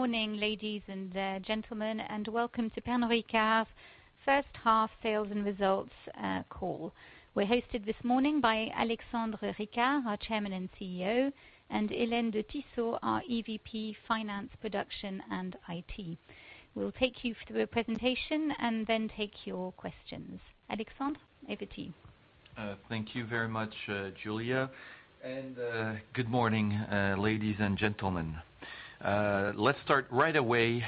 Good morning, ladies and gentlemen, and welcome to Pernod Ricard first half sales and results call. We are hosted this morning by Alexandre Ricard, our Chairman and CEO, and Hélène de Tissot, our EVP, Finance, Production, and IT. We will take you through a presentation and then take your questions. Alexandre, over to you. Thank you very much, Julia, and good morning, ladies and gentlemen. Let's start right away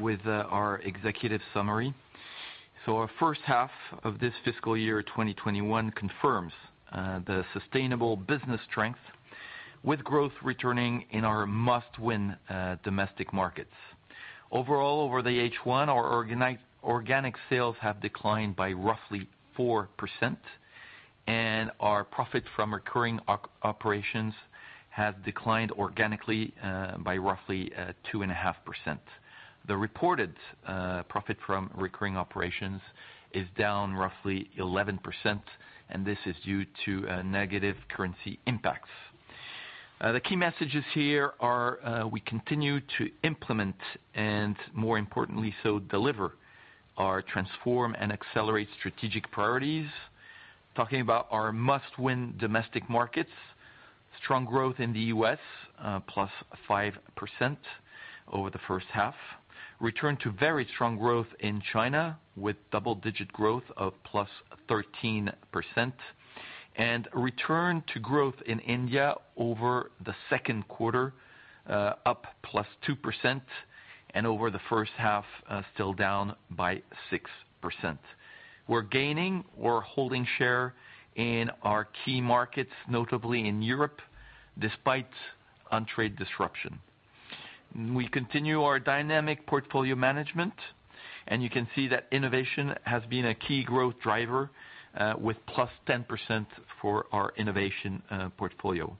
with our executive summary. Our first half of this fiscal year 2021 confirms the sustainable business strength, with growth returning in our must-win domestic markets. Overall, over the H1, our organic sales have declined by roughly 4%, and our profit from recurring operations has declined organically by roughly 2.5%. The reported profit from recurring operations is down roughly 11%, and this is due to negative currency impacts. The key messages here are we continue to implement, and more importantly so, deliver our Transform & Accelerate strategic priorities. Talking about our must-win domestic markets, strong growth in the U.S., +5% over the first half. Return to very strong growth in China with double-digit growth of +13%. Return to growth in India over the second quarter, up +2%, and over the first half, still down by 6%. We're gaining or holding share in our key markets, notably in Europe, despite on trade disruption. We continue our dynamic portfolio management, and you can see that innovation has been a key growth driver with +10% for our innovation portfolio.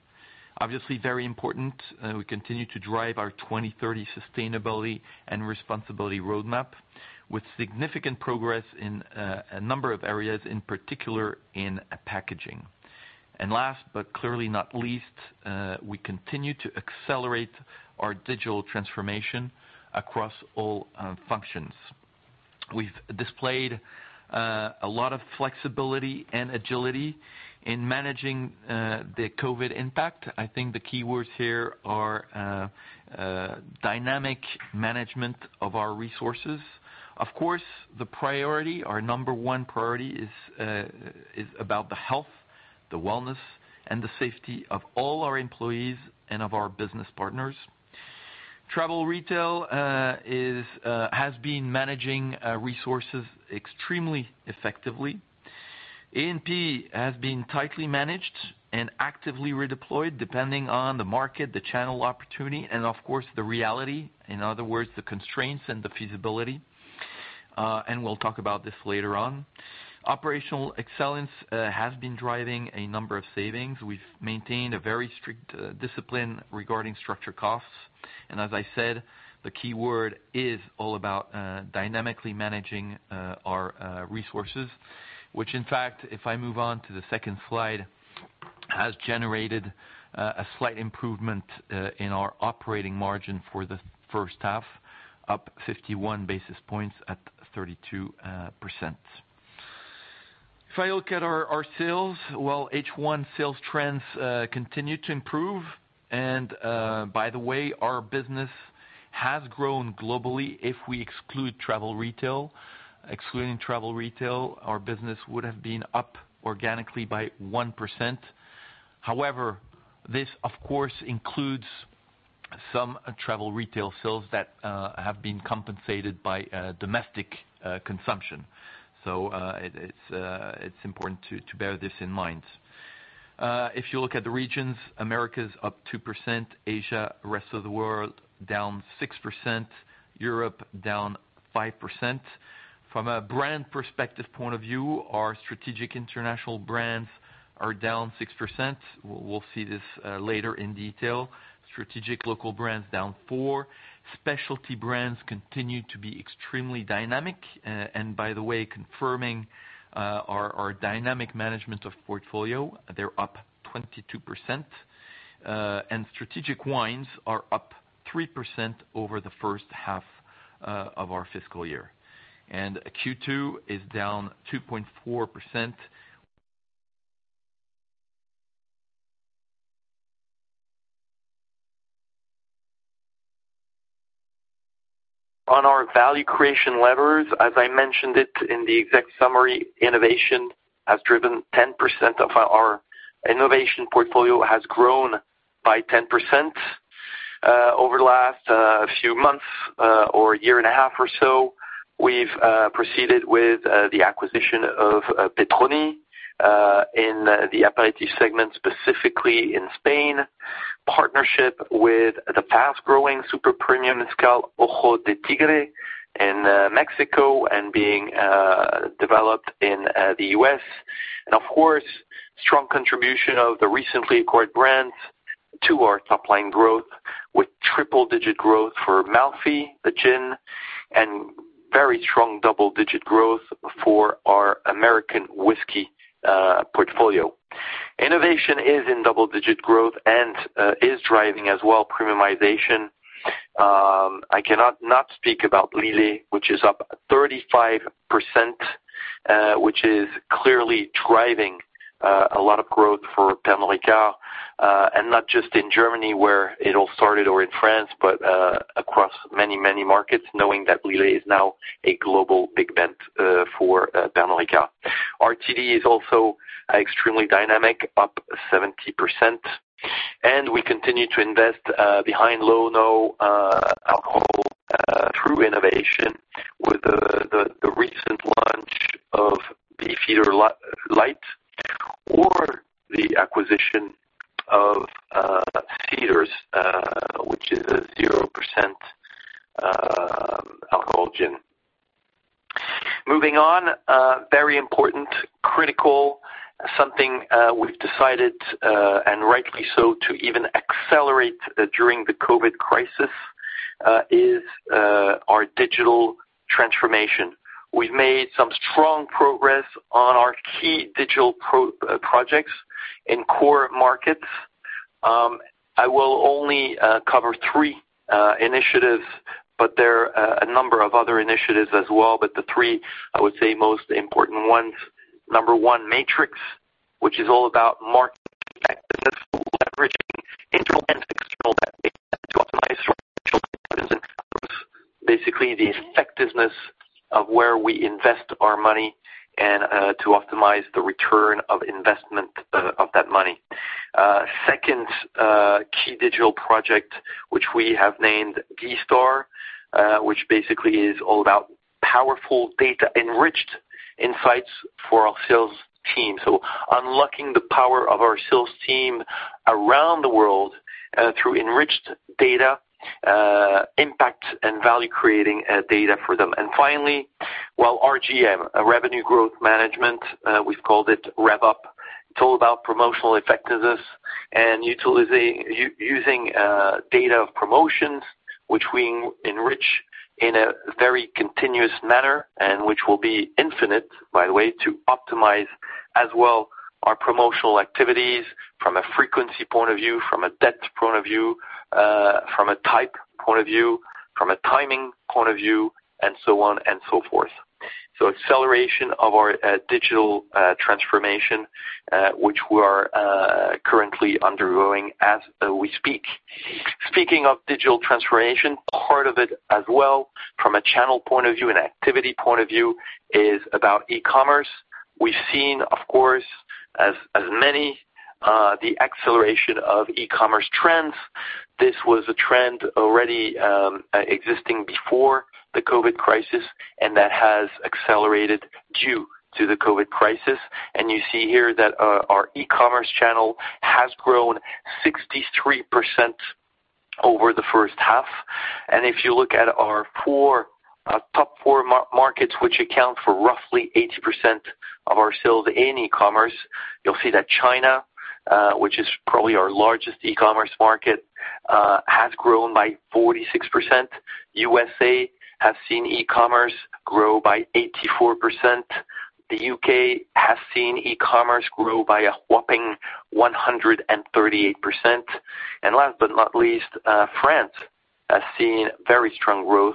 Obviously very important, we continue to drive our 2030 sustainability and responsibility roadmap with significant progress in a number of areas, in particular in packaging. And last, but clearly not least, we continue to accelerate our digital transformation across all functions. We've displayed a lot of flexibility and agility in managing the COVID impact. I think the keywords here are dynamic management of our resources. Of course, the priority, our number one priority is about the health, the wellness, and the safety of all our employees and of our business partners. Travel retail has been managing resources extremely effectively. A&P has been tightly managed and actively redeployed depending on the market, the channel opportunity, and of course, the reality, in other words, the constraints and the feasibility. And we'll talk about this later on. Operational excellence has been driving a number of savings. We've maintained a very strict discipline regarding structure costs. And as I said, the key word is all about dynamically managing our resources, which in fact, if I move on to the second slide, has generated a slight improvement in our operating margin for the first half, up 51 basis points at 32%. If I look at our sales, well, H1 sales trends continue to improve. And by the way, our business has grown globally if we exclude travel retail. Excluding travel retail, our business would have been up organically by 1%. However, this, of course, includes some travel retail sales that have been compensated by domestic consumption. It's important to bear this in mind. If you look at the regions, America is up 2%, Asia, rest of the world, down 6%, Europe, down 5%. From a brand perspective point of view, our strategic international brands are down 6%. We'll see this later in detail. Strategic local brands down four. Specialty brands continue to be extremely dynamic, and by the way, confirming our dynamic management of portfolio, they're up 22%. Strategic wines are up 3% over the first half of our fiscal year. Q2 is down 2.4%. On our value creation levers, as I mentioned it in the exec summary, innovation portfolio has grown by 10%. Over the last few months or year and a half or so, we've proceeded with the acquisition of Petroni in the Apéritif segment, specifically in Spain, partnership with the fast-growing super premium mezcal Ojo de Tigre in Mexico and being developed in the U.S., and of course, strong contribution of the recently acquired brands to our top line growth with triple-digit growth for Malfy, the gin, and very strong double-digit growth for our American whiskey portfolio. Innovation is in double-digit growth and is driving as well premiumization. I cannot not speak about Lillet, which is up 35%, which is clearly driving a lot of growth for Pernod Ricard, and not just in Germany where it all started, or in France, but across many, many markets, knowing that Lillet is now a global big bet for Pernod Ricard. RTD is also extremely dynamic, up 70%. We continue to invest behind low, no alcohol through innovation with the recent launch of Beefeater Light or the acquisition of Ceder's, which is a 0% alcohol gin. Moving on, very important, critical, something we've decided, and rightly so, to even accelerate during the COVID crisis, is our digital transformation. We've made some strong progress on our key digital projects in core markets. I will only cover three initiatives, but there are a number of other initiatives as well. The three, I would say, most important ones. Number one, Matrix, which is all about. Basically, the effectiveness of where we invest our money and to optimize the return on investment of that money. Second key digital project, which we have named D-Star, which basically is all about powerful data, enriched insights for our sales team. Unlocking the power of our sales team around the world, through enriched data, impact, and value-creating data for them. And finally, well, RGM, Revenue Growth Management, we've called it RevUp. It's all about promotional effectiveness and using data of promotions, which we enrich in a very continuous manner, and which will be infinite, by the way, to optimize as well our promotional activities from a frequency point of view, from a depth point of view, from a type point of view, from a timing point of view, and so on and so forth. Acceleration of our digital transformation, which we are currently undergoing as we speak. Speaking of digital transformation, part of it as well from a channel point of view and activity point of view is about e-commerce. We've seen, of course, as many, the acceleration of e-commerce trends. This was a trend already existing before the COVID crisis, and that has accelerated due to the COVID crisis. And you see here that our e-commerce channel has grown 63% over the first half. And if you look at our top four markets, which account for roughly 80% of our sales in e-commerce, you'll see that China, which is probably our largest e-commerce market, has grown by 46%. U.S.A. has seen e-commerce grow by 84%. The U.K. has seen e-commerce grow by a whopping 138%. And last but not least, France has seen very strong growth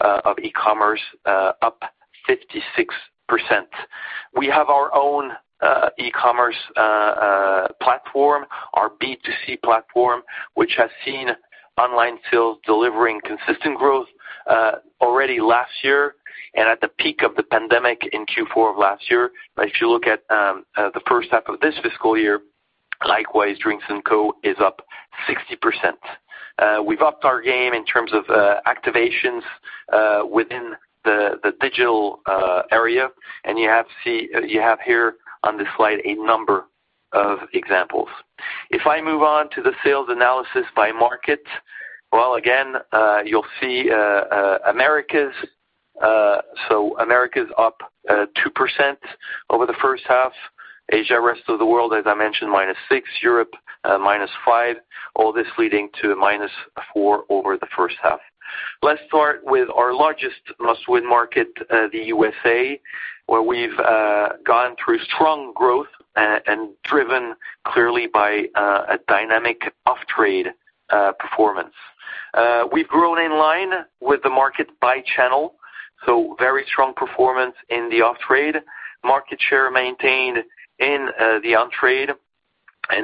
of e-commerce, up 56%. We have our own e-commerce platform, our B2C platform, which has seen online sales delivering consistent growth already last year and at the peak of the pandemic in Q4 of last year. But if you look at the first half of this fiscal year, likewise, Drinks&Co is up 60%. We've upped our game in terms of activations within the digital area, and you have see, you have here on this slide a number of examples. If I move on to the sales analysis by market. Well, again, you'll see Americas. So America is up 2% over the first half. Asia, rest of the world, as I mentioned, -6%. Europe, -5%. All this leading to -4% over the first half. Let's start with our largest must-win market, the U.S.A., where we've gone through strong growth and driven clearly by a dynamic off-trade performance. We've grown in line with the market by channel, very strong performance in the off-trade. Market share maintained in the on-trade,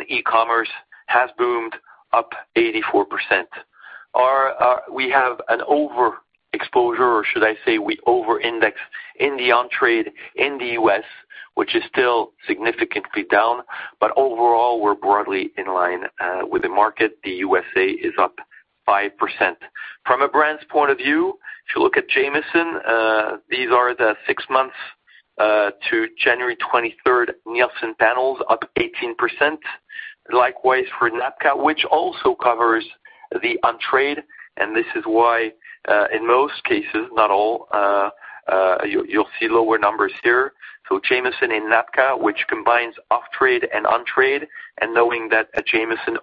e-commerce has boomed, up 84%. Our, we have an overexposure, or should I say we over-index in the on-trade in the U.S., which is still significantly down. But overall, we're broadly in line with the market. The U.S.A. is up 5%. From a brand's point of view, if you look at Jameson, these are the six months to January 23rd, Nielsen panels up 18%. Likewise for NABCA, which also covers the on-trade, this is why, in most cases, not all, you'll see lower numbers here. Jameson and NABCA, which combines off-trade and on-trade, knowing that Jameson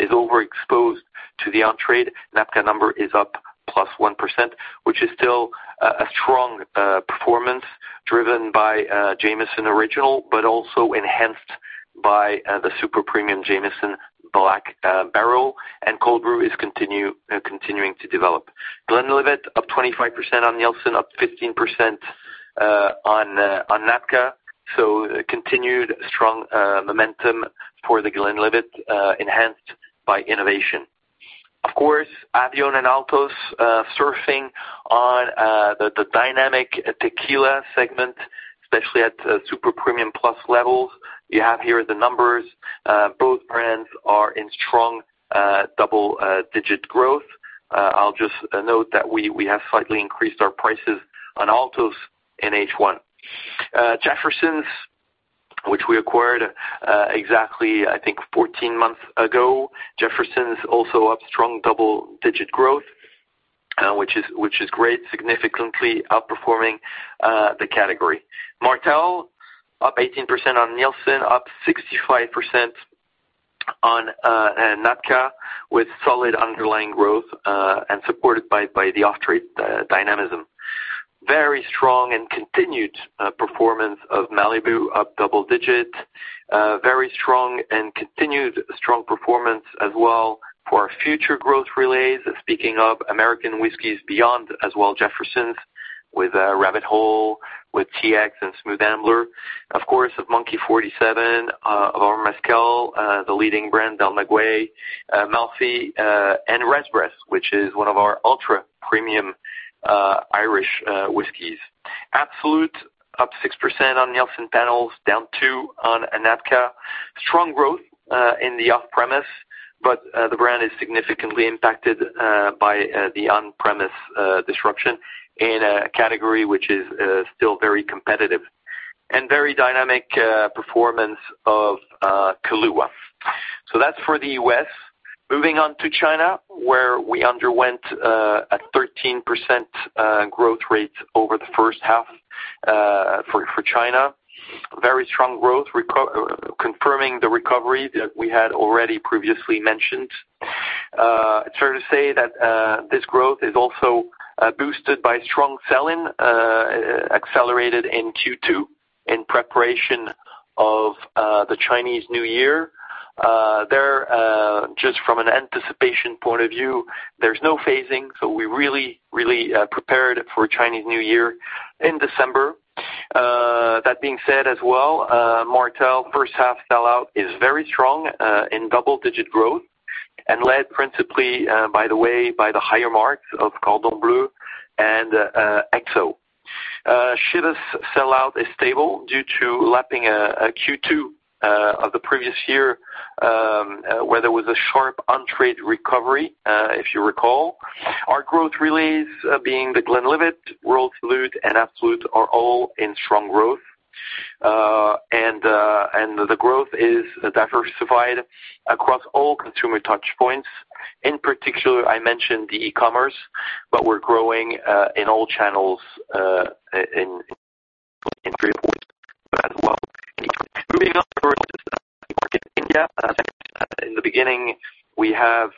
is overexposed to the on-trade. NABCA number is up +1%, which is still a strong performance driven by Jameson Original, but also enhanced by the super-premium Jameson Black Barrel, and Cold Brew is continuing to develop. Glenlivet up 25% on Nielsen, up 15% on NABCA, continued strong momentum for The Glenlivet enhanced by innovation. Of course, Avión and Altos surfing on the dynamic tequila segment, especially at super-premium plus levels. You have here the numbers. Both brands are in strong double-digit growth. I'll just note that we have slightly increased our prices on Altos in H1. Jefferson's, which we acquired exactly, I think, 14 months ago. Jefferson's also up strong double-digit growth, which is great, significantly outperforming the category. Martell, up 18% on Nielsen, up 65% on NABCA with solid underlying growth and supported by the off-trade dynamism. Very strong and continued performance of Malibu up double digits. Very strong and continued strong performance as well for our future growth relays. Speaking of American whiskeys beyond as well Jefferson's with Rabbit Hole, with TX and Smooth Ambler. Of course, of Monkey 47, of our mezcal, the leading brand Del Maguey, Malfy, and Redbreast, which is one of our ultra-premium Irish whiskeys. Absolut up 6% on Nielsen panels, down two on NABCA. Strong growth in the off-premise, but the brand is significantly impacted by the on-premise disruption in a category which is still very competitive. And very dynamic performance of Kahlúa. So that's for the U.S. Moving on to China, where we underwent a 13% growth rate over the first half for China. Very strong growth, confirming the recovery that we had already previously mentioned. It's fair to say that this growth is also boosted by strong selling, accelerated in Q2 in preparation of the Chinese New Year. There, just from an anticipation point of view, there's no phasing, so we really prepared for Chinese New Year in December. That being said as well, Martell first half sell-out is very strong in double-digit growth and led principally, by the way, by the higher marks of Cordon Bleu and XO. Chivas sellout is stable due to lapping a Q2 of the previous year, where there was a sharp on-trade recovery, if you recall. Our growth relays being The Glenlivet, Royal Salute, and Absolut are all in strong growth. The growth is diversified across all consumer touch points. In particular, I mentioned the e-commerce, but we're growing in all channels in trade points as well. Moving on to our largest market, India. As I mentioned at the beginning, we have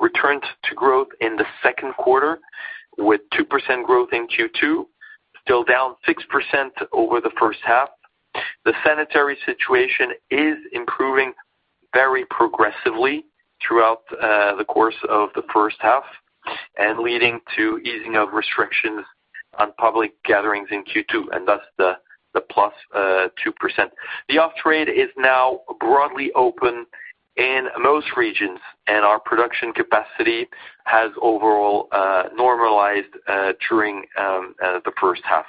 returned to growth in the second quarter with 2% growth in Q2, still down 6% over the first half. The sanitary situation is improving very progressively throughout the course of the first half and leading to easing of restrictions on public gatherings in Q2, and thus the +2%. The off-trade is now broadly open in most regions, and our production capacity has overall normalized during the first half.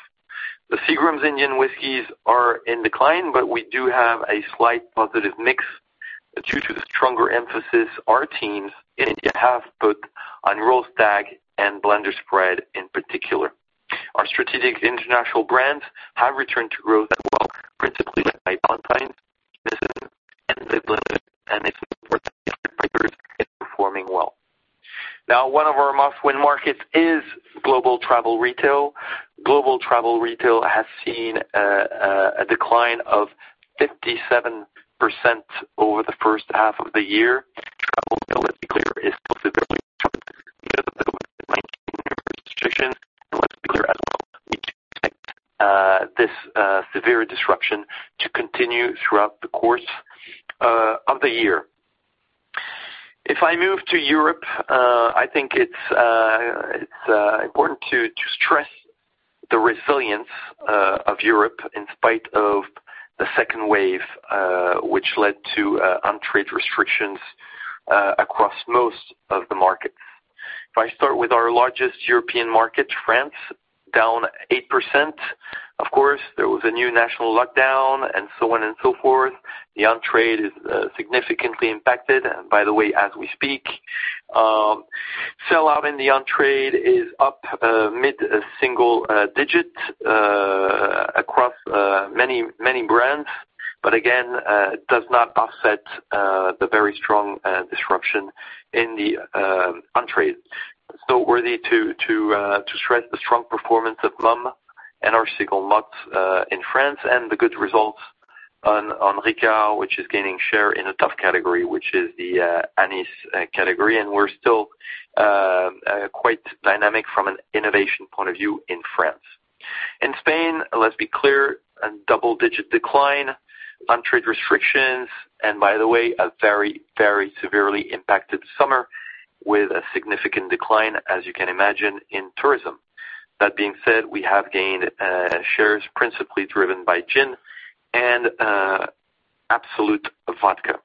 The Seagram's Indian whiskies are in decline, but we do have a slight positive mix due to the stronger emphasis our teams in India have put on Royal Stag and Blenders Pride in particular. Our strategic international brands have returned to growth as well, principally led by Ballantine's, Chivas, and The Glenlivet, and they support the other breakers in performing well. Now one of our must-win markets is Global Travel Retail. Global Travel Retail has seen a decline of 57% over the first half of the year. this severe disruption to continue throughout the course of the year. If I move to Europe, I think it's important to stress the resilience of Europe in spite of the second wave, which led to on-trade restrictions across most of the markets. If I start with our largest European market, France, down 8%. Of course, there was a new national lockdown and so on and so forth. The on-trade is significantly impacted. By the way, as we speak, sell-out in the on-trade is up mid-single-digit across many brands. But again, it does not offset the very strong disruption in the on-trade. Worthy to stress the strong performance of Mumm and our Single Malt in France and the good results on Ricard, which is gaining share in a tough category, which is the anise category, and we're still quite dynamic from an innovation point of view in France. In Spain, let's be clear, a double-digit decline on trade restrictions, and by the way, a very severely impacted summer with a significant decline, as you can imagine, in tourism. That being said, we have gained shares principally driven by Gin and Absolut Vodka.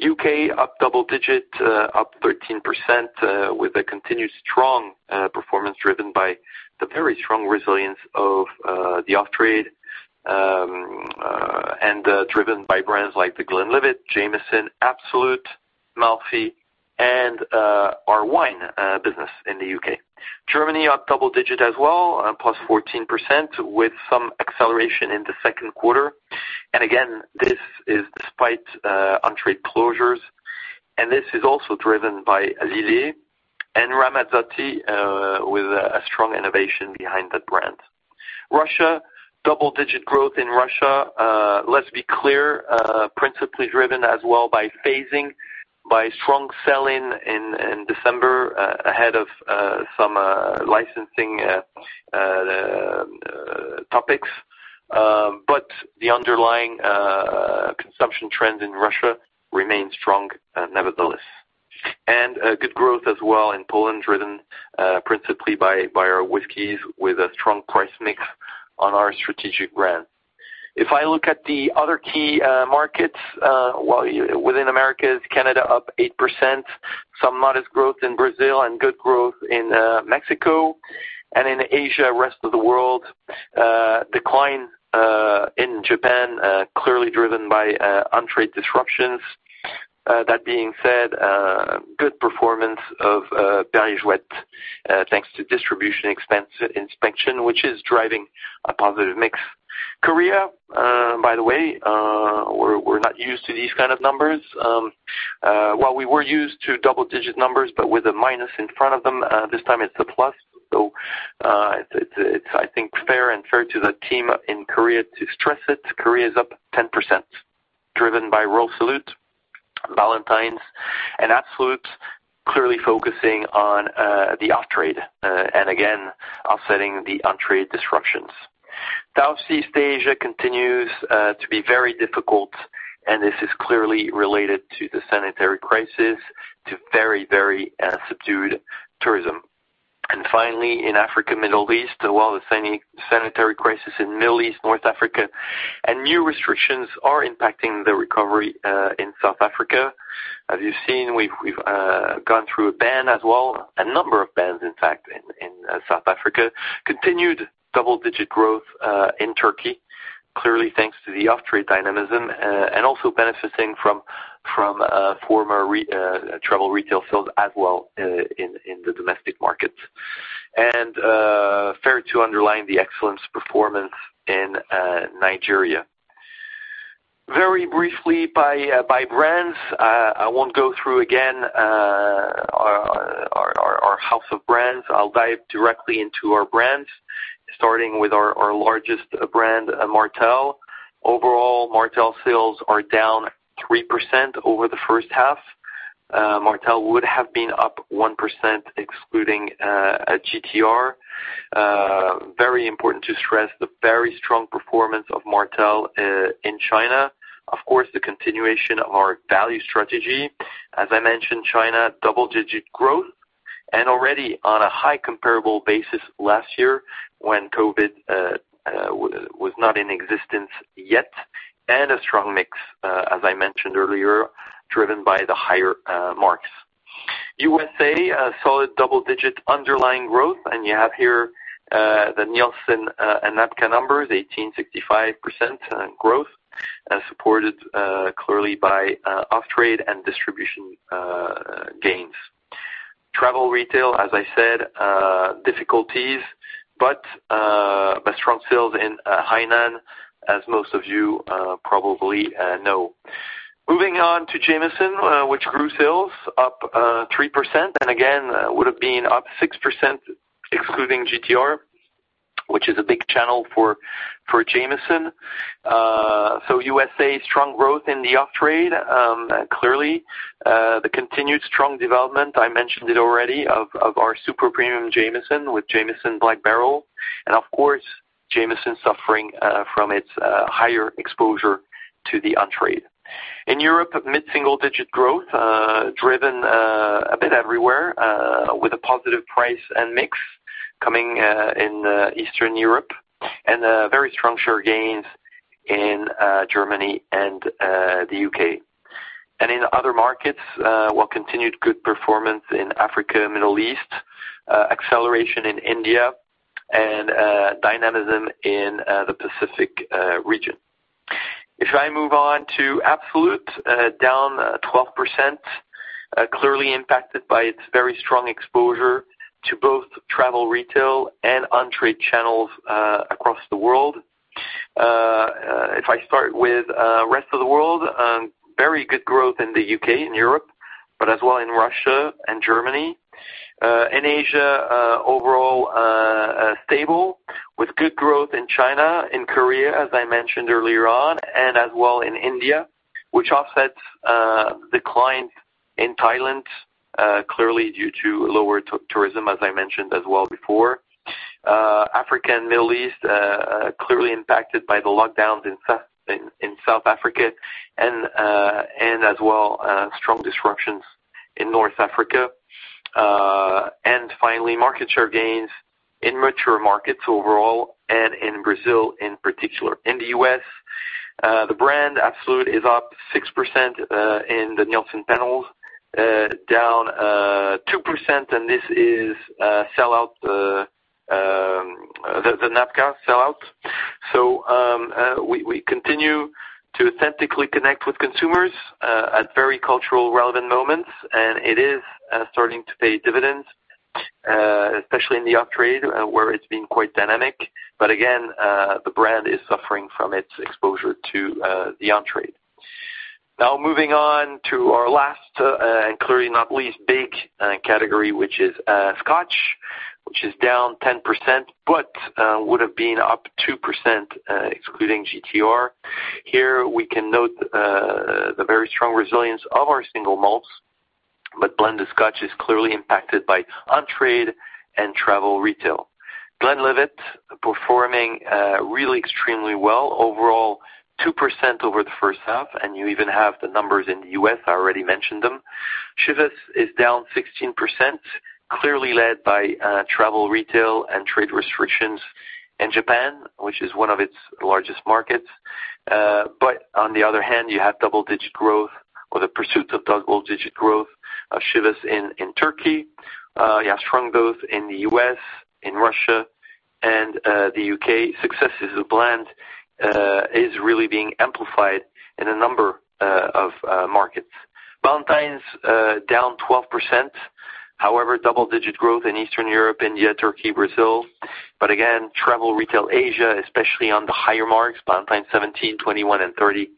U.K. up double-digit, up 13% with a continued strong performance driven by the very strong resilience of the off-trade, and driven by brands like The Glenlivet, Jameson, Absolut, Malfy, and our wine business in the U.K. Germany up double-digit as well, plus 14% with some acceleration in the second quarter. And again, this is despite on-trade closures, and this is also driven by Lillet and Ramazzotti with a strong innovation behind that brand. Russia, double-digit growth in Russia. Let's be clear, principally driven as well by phasing, by strong selling in December, ahead of some licensing topics. But the underlying consumption trends in Russia remain strong nevertheless. And good growth as well in Poland, driven principally by our whiskeys with a strong price mix on our strategic brand. If I look at the other key markets within Americas, Canada up 8%, some modest growth in Brazil, and good growth in Mexico. And in Asia, rest of the world, decline in Japan, clearly driven by on-trade disruptions. That being said, good performance of Perrier-Jouët, thanks to distribution expansion, which is driving a positive mix. Korea, by the way, we're not used to these kind of numbers. We were used to double-digit numbers, but with a minus in front of them, this time it's a plus, so it's I think fair and fair to the team in Korea to stress it. Korea is up 10%, driven by Royal Salute, Ballantine's, and Absolut, clearly focusing on the off-trade, and again, offsetting the on-trade disruptions. Southeast Asia continues to be very difficult, and this is clearly related to the sanitary crisis, to very, very subdued tourism. And finally in Africa, Middle East, while the sanitary crisis in Middle East, North Africa, and new restrictions are impacting the recovery in South Africa. As you've seen, we've gone through a ban as well. A number of bans, in fact, in South Africa. Continued double-digit growth in Turkey, clearly, thanks to the off-trade dynamism, and also benefiting from former travel retail sales as well in the domestic market. And fair to underline the excellence performance in Nigeria. Very briefly by brands. I won't go through again our house of brands. I'll dive directly into our brands, starting with our largest brand, Martell. Overall, Martell sales are down 3% over the first half. Martell would have been up 1% excluding GTR. Very important to stress the very strong performance of Martell in China. Of course, the continuation of our value strategy. As I mentioned, China, double-digit growth and already on a high comparable basis last year when COVID was not in existence yet, and a strong mix, as I mentioned earlier, driven by the higher marks. U.S.A., a solid double-digit underlying growth, and you have here the Nielsen and NABCA numbers, 18%, 65% growth, supported clearly by off-trade and distribution gains. Travel retail, as I said, difficulties, but strong sales in Hainan, as most of you probably know. Moving on to Jameson, which grew sales up 3% and again, would have been up 6% excluding GTR, which is a big channel for Jameson. U.S.A., strong growth in the off-trade. Clearly, the continued strong development, I mentioned it already, of our super-premium Jameson with Jameson Black Barrel. And of course, Jameson suffering from its higher exposure to the on-trade. In Europe, mid-single digit growth, driven a bit everywhere, with a positive price and mix coming in Eastern Europe and very strong share gains in Germany and the U.K. In other markets, while continued good performance in Africa, Middle East, acceleration in India, and dynamism in the Pacific region. If I move on to Absolut, down 12%, clearly impacted by its very strong exposure to both travel retail and on-trade channels across the world. If I start with rest of the world, very good growth in the U.K., in Europe, but as well in Russia and Germany. In Asia, overall stable with good growth in China, in Korea, as I mentioned earlier on, and as well in India, which offsets declines in Thailand clearly due to lower tourism as I mentioned as well before. Africa and Middle East, clearly impacted by the lockdowns in South Africa and as well strong disruptions in North Africa. And finally, market share gains in mature markets overall and in Brazil in particular. In the U.S., the brand Absolut is up 6% in the Nielsen panels, down 2% and this is sell-out, the NABCA sell-out. We continue to authentically connect with consumers at very cultural relevant moments, and it is starting to pay dividends, especially in the off-trade, where it's been quite dynamic. But again, the brand is suffering from its exposure to the on-trade. Now moving on to our last, and clearly not least, big category, which is Scotch, which is down 10%, but would've been up 2% excluding GTR. Here, we can note the very strong resilience of our single malts, blended Scotch is clearly impacted by on-trade and travel retail. Glenlivet performing really extremely well overall, 2% over the first half, and you even have the numbers in the U.S., I already mentioned them. Chivas is down 16%, clearly led by travel retail and trade restrictions in Japan, which is one of its largest markets. But on the other hand, you have double-digit growth or the pursuit of double-digit growth of Chivas in Turkey. You have strong growth in the U.S., in Russia and the U.K. Successes of the brand is really being amplified in a number of markets. Ballantine's down 12%, however, double-digit growth in Eastern Europe, India, Turkey, Brazil. But again, travel retail Asia, especially on the higher marks, Ballantine's 17, 21 and 30, is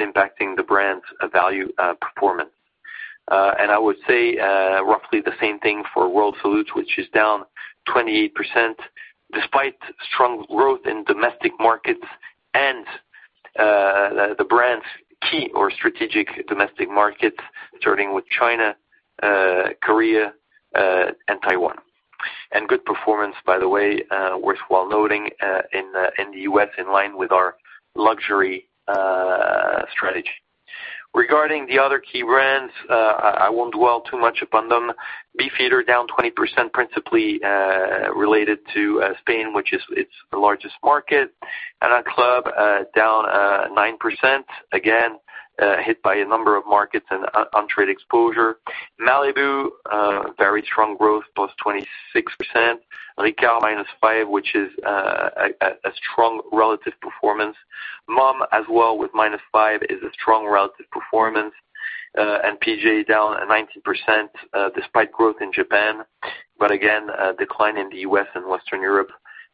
impacting the brand's value performance. And I would say roughly the same thing for Royal Salute, which is down 28%, despite strong growth in domestic markets and the brand's key or strategic domestic markets, starting with China, Korea, and Taiwan. Good performance, by the way, worthwhile noting, in the U.S. in line with our luxury strategy. Regarding the other key brands, I won't dwell too much upon them. Beefeater down 20%, principally related to Spain, which is its largest market. Havana Club down 9%, again, hit by a number of markets and on-trade exposure. Malibu, very strong growth, +26%. Ricard -5%, which is a strong relative performance. Mumm as well with -5% is a strong relative performance. PJ down 19%, despite growth in Japan. But again, a decline in the U.S. and Western Europe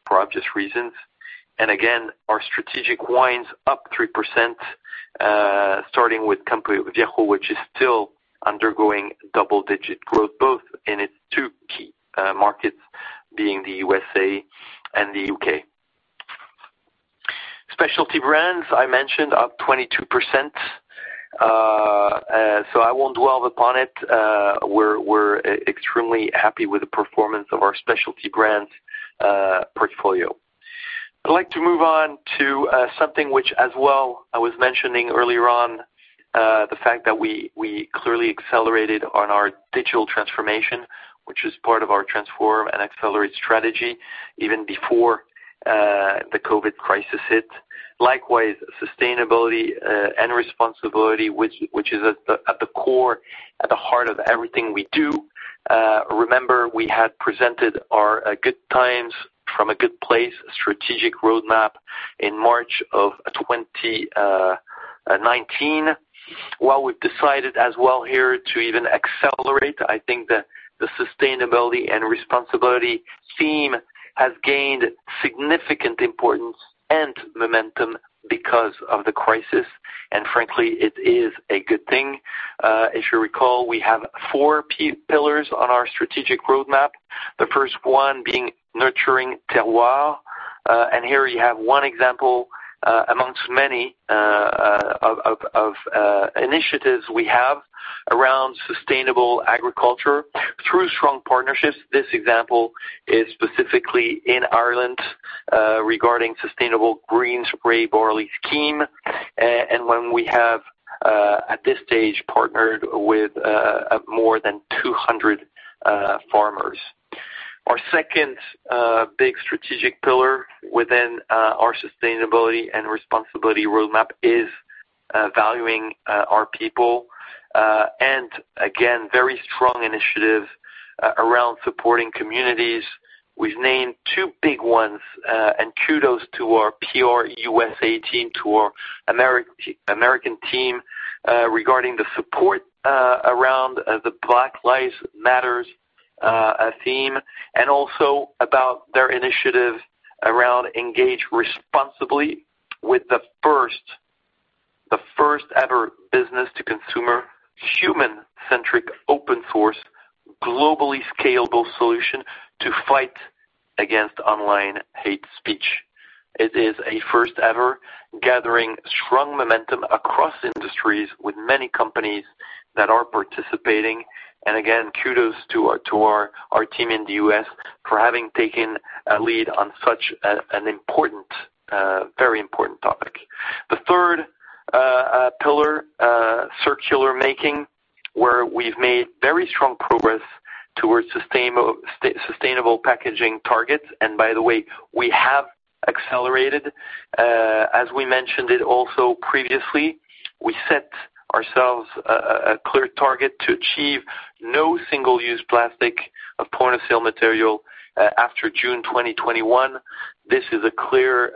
for obvious reasons. And again, our strategic wines up 3%, starting with Campo Viejo which is still undergoing double-digit growth both in its two key markets, being the U.S.A. and the U.K. Specialty brands, I mentioned, up 22%, so I won't dwell upon it. We're extremely happy with the performance of our specialty brands portfolio. I'd like to move on to something which as well I was mentioning earlier on, the fact that we clearly accelerated on our digital transformation, which is part of our Transform & Accelerate strategy, even before the COVID crisis hit. Likewise, sustainability and responsibility, which is at the core, at the heart of everything we do. Remember, we had presented our Good Times from a Good Place strategic roadmap in March of 2019. While we decided as well here to even accelerate, I think that the sustainability and responsibility theme has gained significant importance and momentum because of the crisis. And frankly, it is a good thing. If you recall, we have four pillars on our strategic roadmap. The first one being nurturing terroir. And here you have one example amongst many of initiatives we have around sustainable agriculture through strong partnerships. This example is specifically in Ireland, regarding Sustainable Green Spring Barley Scheme. When we have, at this stage, partnered with more than 200 farmers. Our second big strategic pillar within our sustainability and responsibility roadmap is valuing our people. And again, very strong initiative around supporting communities. We've named two big ones. Kudos to our PR USA team, to our American team, regarding the support around the Black Lives Matter theme, and also about their initiative around Engage Responsibly with the first, the first-ever business-to-consumer, human-centric, open source, globally scalable solution to fight against online hate speech. It is a first-ever gathering strong momentum across industries with many companies that are participating. And again, kudos to our team in the U.S. for having taken a lead on such a very important topic. The third pillar, circular making, where we've made very strong progress towards sustainable packaging targets. And by the way, we have accelerated. As we mentioned it also previously, we set ourselves a clear target to achieve no single-use plastic of point of sale material after June 2021. This is a clear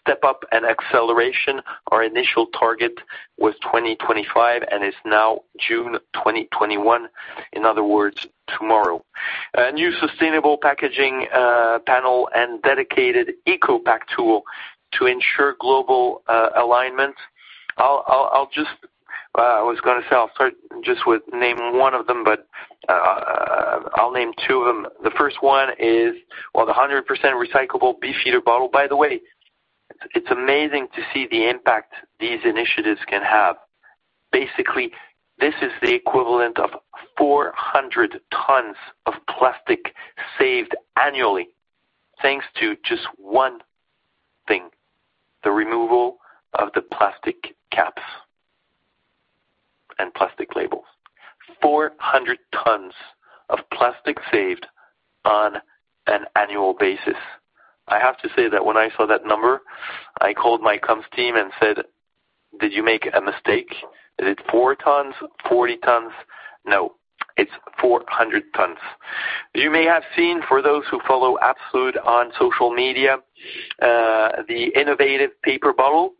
step up and acceleration. Our initial target was 2025 and is now June 2021. In other words, tomorrow. A new sustainable packaging panel and dedicated EcoPack tool to ensure global alignment. I was going to say, I'll start just with naming one of them, but I'll name two of them. The first one is, well, the 100% recyclable Beefeater bottle. By the way, it's amazing to see the impact these initiatives can have. Basically, this is the equivalent of 400 tons of plastic saved annually, thanks to just one thing, the removal of the plastic caps and plastic labels. 400 tons of plastic saved on an annual basis. I have to say that when I saw that number, I called my comms team and said, "Did you make a mistake? Is it four tons? 40 tons?" No, it's 400 tons. You may have seen, for those who follow Absolut on social media, the innovative paper bottle,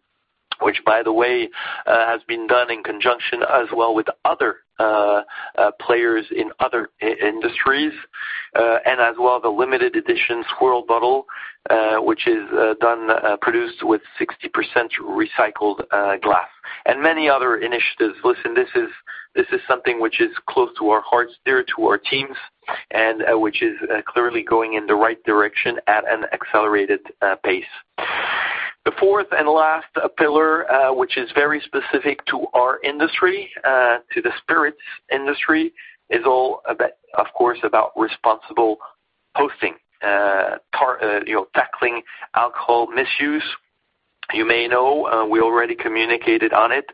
which by the way, has been done in conjunction as well with other players in other industries. And as well, the limited edition swirl bottle, which is produced with 60% recycled glass. And many other initiatives. Listen, this is something which is close to our hearts, dear to our teams, and which is clearly going in the right direction at an accelerated pace. The fourth and last pillar, which is very specific to our industry, to the spirits industry, is all, of course, about responsible hosting, tackling alcohol misuse. You may know, we already communicated on it,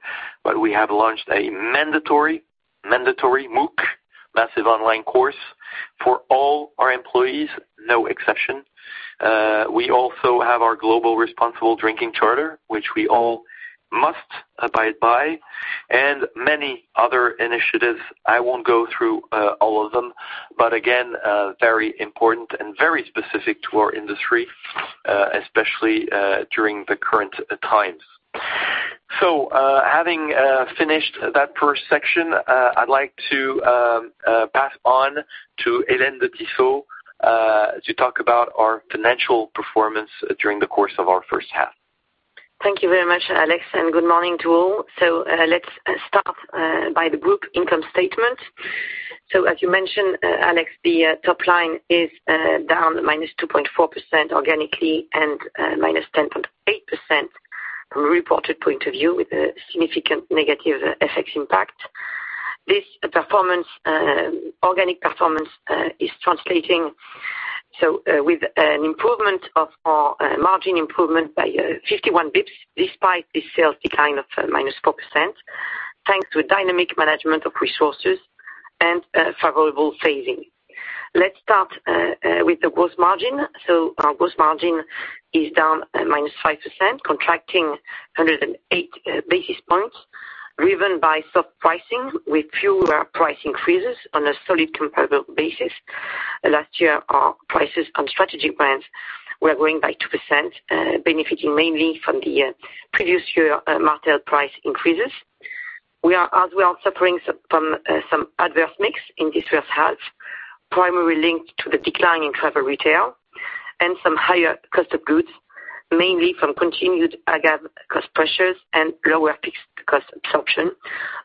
but we have launched a mandatory, mandatory MOOC, massive online course, for all our employees, no exception. We also have our global responsible drinking charter, which we all must abide by, and many other initiatives. I won't go through all of them, but again, very important and very specific to our industry, especially during the current times. So, having finished that first section, I'd like to pass on to Hélène de Tissot, to talk about our financial performance during the course of our first half. Thank you very much, Alex, and good morning to all. Let's start by the group income statement. As you mentioned, Alex, the top line is down -2.4% organically and -10.8% reported point of view with a significant negative FX impact. This performance, organic performance is translating with an improvement of our margin improvement by 51 basis points, despite the sales decline of -4%, thanks to a dynamic management of resources and favorable phasing. Let's start with the gross margin. Our gross margin is down at -5%, contracting 108 basis points, driven by soft pricing with fewer price increases on a solid comparable basis. Last year, our prices on strategic brands were growing by 2%, benefiting mainly from the previous year Martell price increases. We are as well suffering from some adverse mix in this first half, primarily linked to the decline in travel retail and some higher cost of goods, mainly from continued agave cost pressures and lower fixed cost absorption,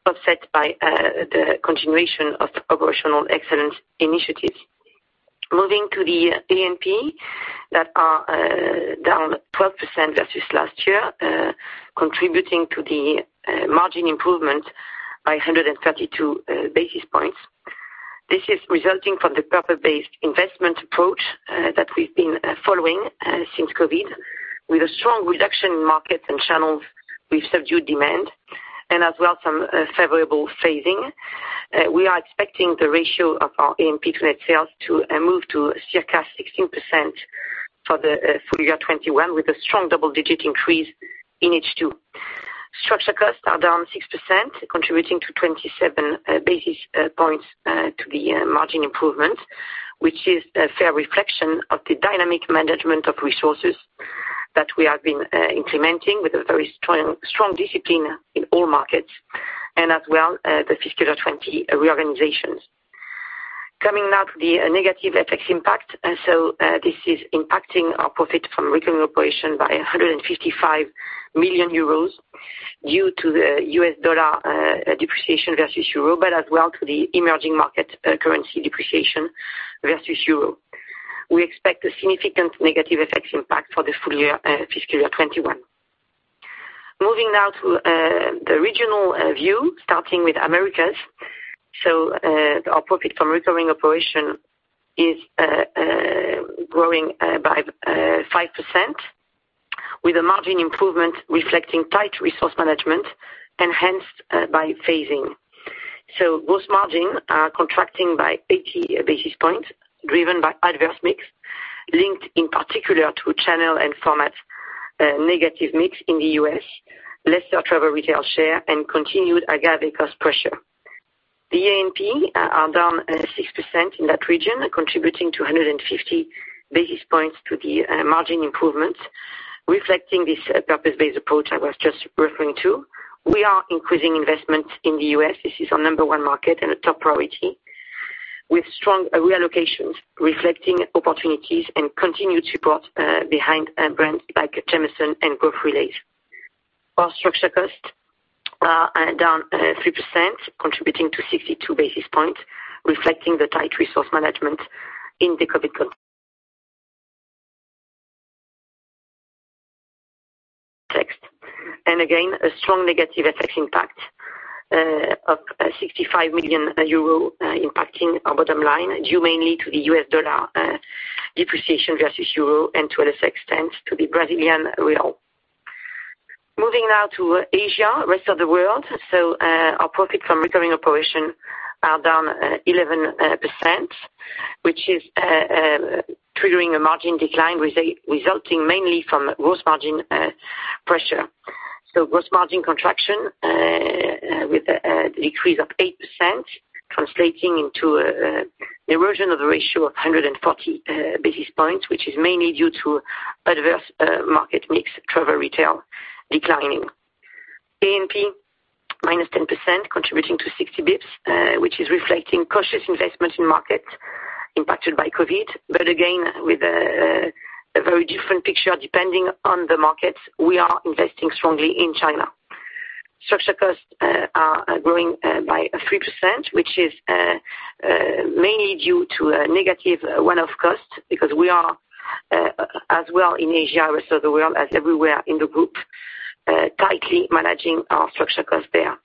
offset by the continuation of the operational excellence initiatives. Moving to the A&P, that are down 12% versus last year, contributing to the margin improvement by 132 basis points. This is resulting from the purpose-based investment approach that we've been following since COVID, with a strong reduction in markets and channels with subdued demand, and as well, some favorable phasing. We are expecting the ratio of our A&P to net sales to move to circa 16% for the full year 2021, with a strong double-digit increase in H2. Structural costs are down 6%, contributing to 27 basis points, to the margin improvement, which is a fair reflection of the dynamic management of resources that we have been implementing with a very strong discipline in all markets, and as well, the fiscal year 2020 reorganizations. Coming now to the negative FX impact. This is impacting our profit from recurring operation by 155 million euros due to the U.S. dollar depreciation versus Euro, but as well to the emerging market currency depreciation versus Euro. We expect a significant negative FX impact for the full year fiscal year 2021. Moving now to the regional view, starting with Americas. Our profit from recurring operation is growing by 5%, with a margin improvement reflecting tight resource management, enhanced by phasing. Gross margin are contracting by 80 basis points, driven by adverse mix, linked in particular to channel and format negative mix in the U.S., lesser travel retail share, and continued agave cost pressure. The A&P are down 6% in that region, contributing 250 basis points to the margin improvements. Reflecting this purpose-based approach I was just referring to, we are increasing investment in the U.S. This is our number one market and a top priority, with strong reallocations reflecting opportunities and continued support behind brands like Jameson and Growth Relays. Our structure costs are down 3%, contributing to 62 basis points, reflecting the tight resource management in the COVID. And again, a strong negative FX impact of 65 million euro impacting our bottom line, due mainly to the U.S. dollar depreciation versus euro and to other extents to the Brazilian real. Moving now to Asia, rest of the world. Our profit from recurring operations is down 11%, which is triggering a margin decline resulting mainly from gross margin pressure. Gross margin contraction with a decrease of 8%, translating into erosion of the ratio of 140 basis points, which is mainly due to adverse market mix, travel retail declining. A&P, -10%, contributing to 60 basis points, which is reflecting cautious investment in markets impacted by COVID. Again, with a very different picture depending on the markets, we are investing strongly in China. Structure costs are growing by 3%, which is mainly due to a negative one-off cost because we are, as well in Asia, rest of the world, as everywhere in the group, tightly managing our structure costs there.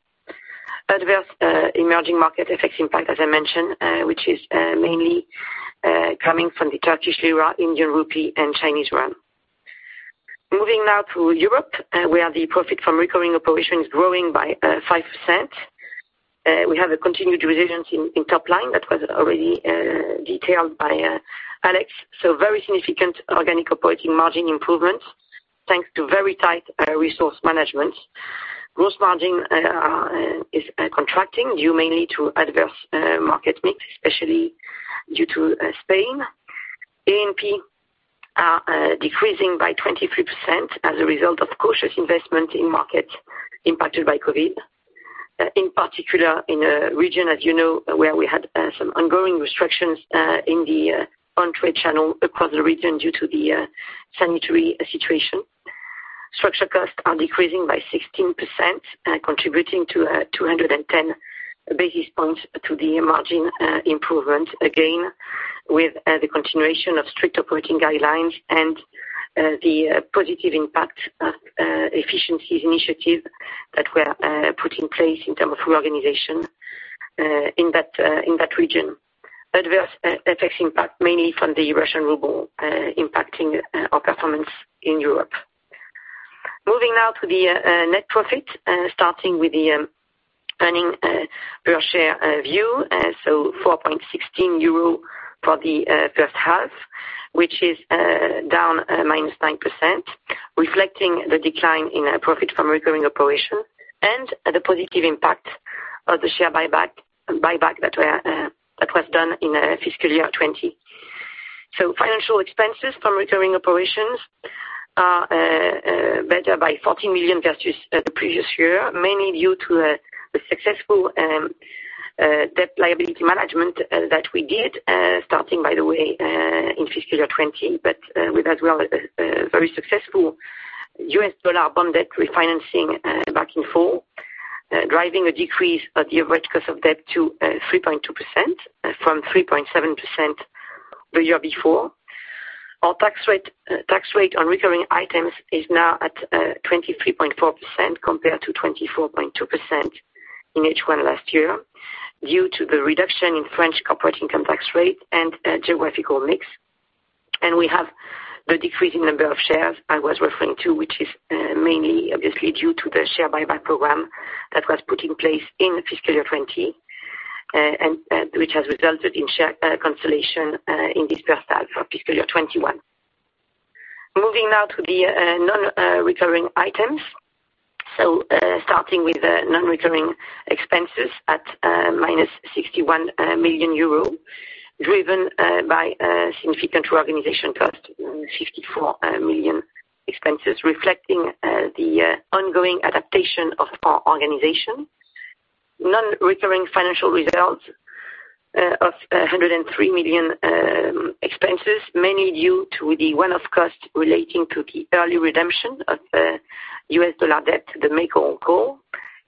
Adverse emerging market FX impact, as I mentioned, which is mainly coming from the Turkish lira, Indian rupee, and Chinese yuan. Moving now to Europe, where the profit from recurring operations growing by 5%. We have a continued resilience in top line that was already detailed by Alex. Very significant organic operating margin improvement, thanks to very tight resource management. Gross margin is contracting due mainly to adverse market mix, especially due to Spain. A&P are decreasing by 23% as a result of cautious investment in market impacted by COVID, in particular in a region, as you know, where we had some ongoing restrictions in the on-trade channel across the region due to the sanitary situation. Structure costs are decreasing by 16%, contributing to 210 basis points to the margin improvement, again, with the continuation of strict operating guidelines and the positive impact of efficiencies initiative that were put in place in term of reorganization in that region. Adverse FX impact mainly from the Russian ruble impacting our performance in Europe. Moving now to the net profit, starting with the earning per share view. 4.16 euro for the first half, which is down -9%, reflecting the decline in our profit from recurring operation and the positive impact of the share buyback that was done in fiscal year 2020. Financial expenses from recurring operations are better by 14 million versus the previous year, mainly due to a successful debt liability management that we did, starting, by the way, in fiscal year 2020. With as well a very successful U.S. dollar bond debt refinancing back in full, driving a decrease of the average cost of debt to 3.2% from 3.7% the year before. Our tax rate on recurring items is now at 23.4% compared to 24.2% in H1 last year due to the reduction in French corporate income tax rate and geographical mix. And we have the decreasing number of shares I was referring to, which is mainly obviously due to the share buyback program that was put in place in fiscal year 2020, and which has resulted in share cancellation in this first half of fiscal year 2021. Moving now to the non-recurring items. Starting with the non-recurring expenses at minus 61 million euro, driven by significant reorganization cost, 54 million expenses reflecting the ongoing adaptation of our organization. Non-recurring financial results of 103 million expenses, mainly due to the one-off cost relating to the early redemption of the U.S. dollar debt, the make-whole call,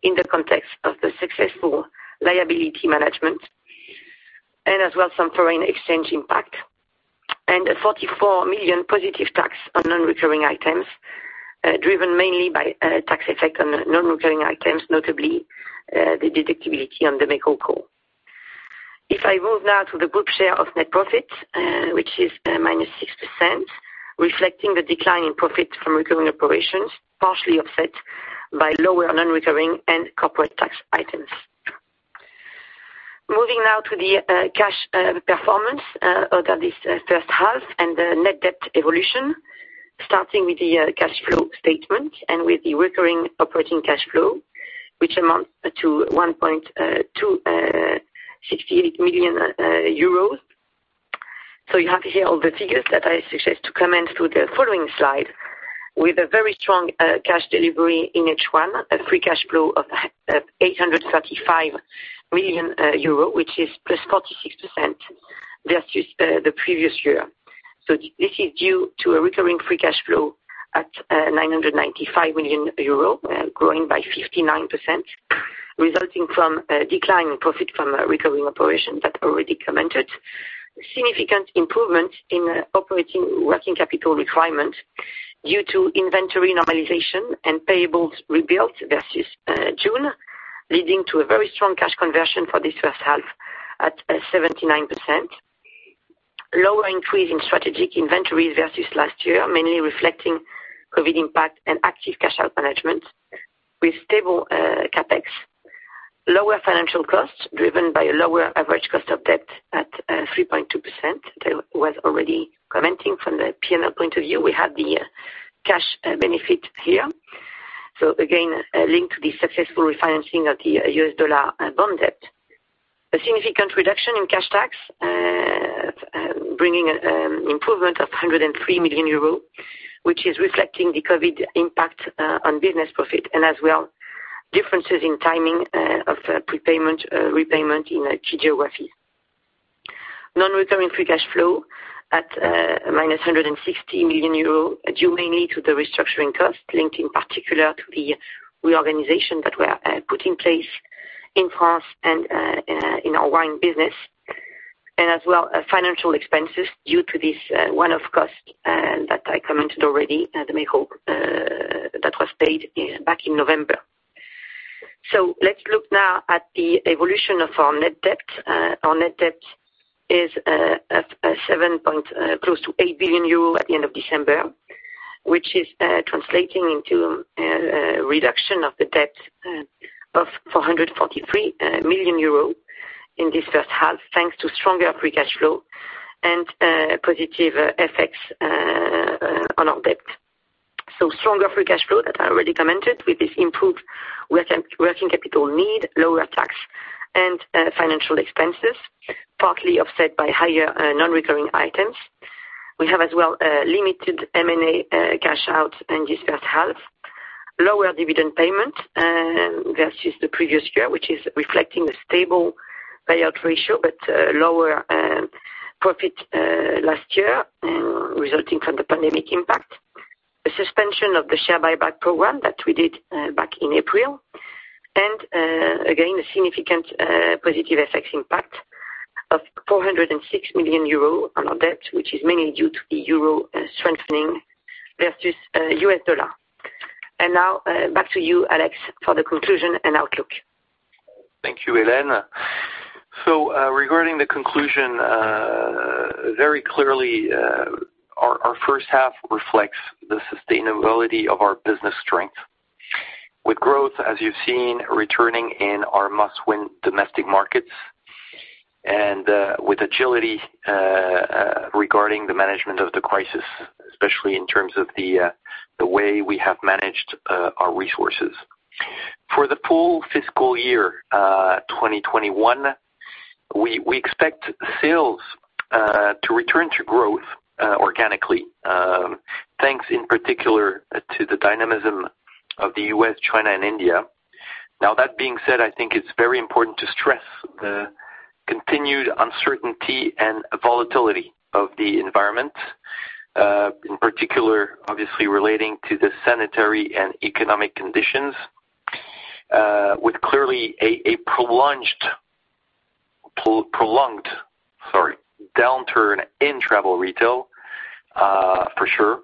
in the context of the successful liability management, and as well, some foreign exchange impact, and a 44 million positive tax on non-recurring items, driven mainly by tax effect on non-recurring items, notably, the deductibility on the make-whole call. If I move now to the group share of net profits, which is -6%, reflecting the decline in profit from recurring operations, partially offset by lower non-recurring and corporate tax items. Moving now to the cash performance over this first half and the net debt evolution, starting with the cash flow statement and with the recurring operating cash flow, which amount to 1,268 million euros. You have here all the figures that I suggest to comment through the following slide. With a very strong cash delivery in H1, a free cash flow of 835 million euro, which is +46% versus the previous year. This is due to a recurring free cash flow at 995 million euro, growing by 59%, resulting from a decline in profit from recurring operations that already commented. Significant improvement in operating working capital requirement due to inventory normalization and payables rebuilt versus June, leading to a very strong cash conversion for this first half at 79%. Lower increase in strategic inventories versus last year, mainly reflecting COVID impact and active cash-out management with stable CapEx, lower financial costs driven by a lower average cost of debt at 3.2%, that was already commenting from the P&L point of view. We have the cash benefit here. Again, linked to the successful refinancing of the US dollar bond debt. A significant reduction in cash tax, bringing improvement of 103 million euros, which is reflecting the COVID impact on business profit, as well, differences in timing of prepayment, repayment in key geographies. Non-recurring free cash flow at -160 million euro, due mainly to the restructuring cost linked in particular to the reorganization that were put in place in France and in our wine business, as well, financial expenses due to this one-off cost that I commented already, the make-whole that was paid back in November. Let's look now at the evolution of our net debt. Our net debt is close to 8 billion euro at the end of December, which is translating into a reduction of the debt of 443 million euro in this first half, thanks to stronger free cash flow and positive effects on our debt. Stronger free cash flow that I already commented with this improved working capital need, lower tax and financial expenses, partly offset by higher non-recurring items. We have as well limited M&A cash out in this first half. Lower dividend payment versus the previous year, which is reflecting the stable payout ratio, but lower profit last year resulting from the pandemic impact. The suspension of the share buyback program that we did back in April. And again, a significant positive FX impact of 406 million euro on our debt, which is mainly due to the Euro strengthening versus US dollar. And now, back to you, Alex, for the conclusion and outlook. Thank you, Hélène. Regarding the conclusion, very clearly, our first half reflects the sustainability of our business strength. With growth, as you've seen, returning in our must-win domestic markets and with agility regarding the management of the crisis, especially in terms of the way we have managed our resources. For the full fiscal year 2021, we expect sales to return to growth organically, thanks in particular to the dynamism of the U.S., China, and India. That being said, I think it's very important to stress the continued uncertainty and volatility of the environment, in particular, obviously relating to the sanitary and economic conditions, with clearly a prolonged, prolonged sorry, downturn in travel retail, for sure,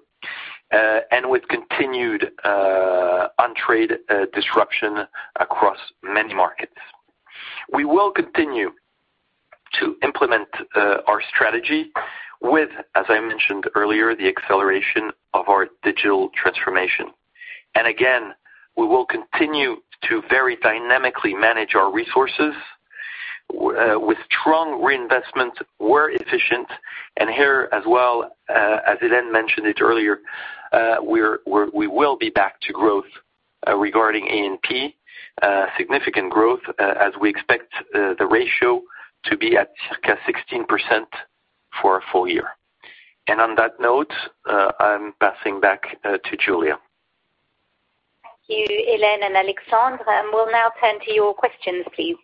and with continued on trade disruption across many markets. We will continue to implement our strategy with, as I mentioned earlier, the acceleration of our digital transformation. And again, we will continue to very dynamically manage our resources. With strong reinvestment, we're efficient, and here as well, as Hélène mentioned it earlier, we will be back to growth regarding A&P, significant growth, as we expect the ratio to be at circa 16% for our full year. And on that note, I'm passing back to Julia. Thank you, Hélène and Alexandre. We'll now turn to your questions, please.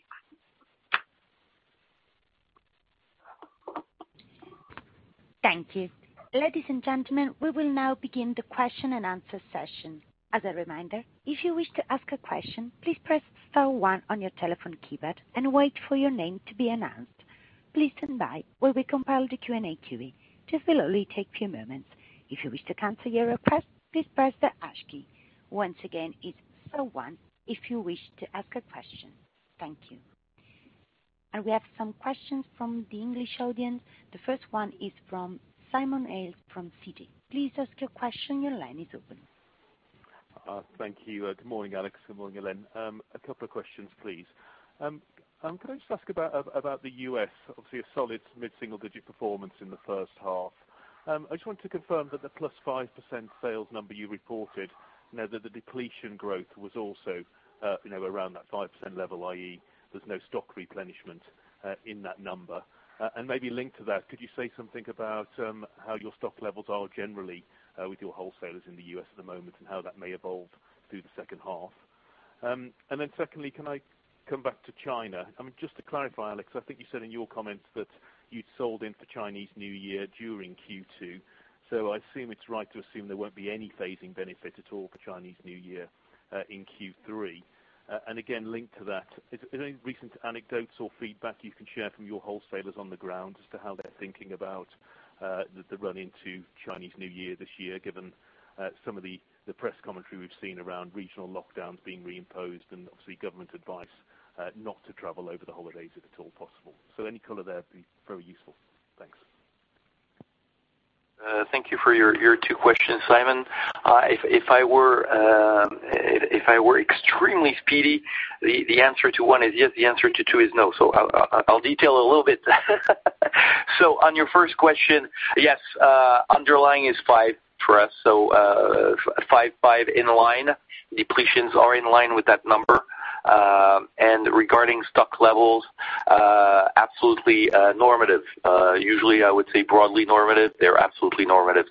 Thank you. Ladies and gentlemen, we will now begin the question-and-answer session. As a reminder, if you wish to ask a question, please press star one on your telephone keypad and wait for your name to be announced. Please stand by while we compile the Q&A queue. This will only take few moments. If you wish to cancel your request, please press the hash key. Once again, it's star one if you wish to ask a question. Thank you. And we have some questions from the English audience. The first one is from Simon Hales from Citi. Please ask your question. Your line is open. Thank you. Good morning, Alex. Good morning, Hélène. A couple of questions, please. Could I just ask about the U.S.? Obviously, a solid mid-single digit performance in the first half. I just want to confirm that the +5% sales number you reported, now that the depletion growth was also around that 5% level, i.e., there's no stock replenishment in that number. And maybe linked to that, could you say something about how your stock levels are generally with your wholesalers in the U.S. at the moment and how that may evolve through the second half? And then secondly, can I come back to China? Just to clarify, Alex, I think you said in your comments that you'd sold into Chinese New Year during Q2, so I assume it's right to assume there won't be any phasing benefit at all for Chinese New Year in Q3. And again, linked to that, is there any recent anecdotes or feedback you can share from your wholesalers on the ground as to how they're thinking about the run into Chinese New Year this year, given some of the press commentary we've seen around regional lockdowns being reimposed and obviously government advice not to travel over the holidays if at all possible? Any color there would be very useful. Thanks. Thank you for your two questions, Simon. If I were extremely speedy, the answer to one is yes, the answer to two is no. I'll detail a little bit. On your first question, yes, underlying is five for us. Five in line. Depletions are in line with that number. Regarding stock levels, absolutely normative. Usually, I would say broadly normative. They're absolutely normative.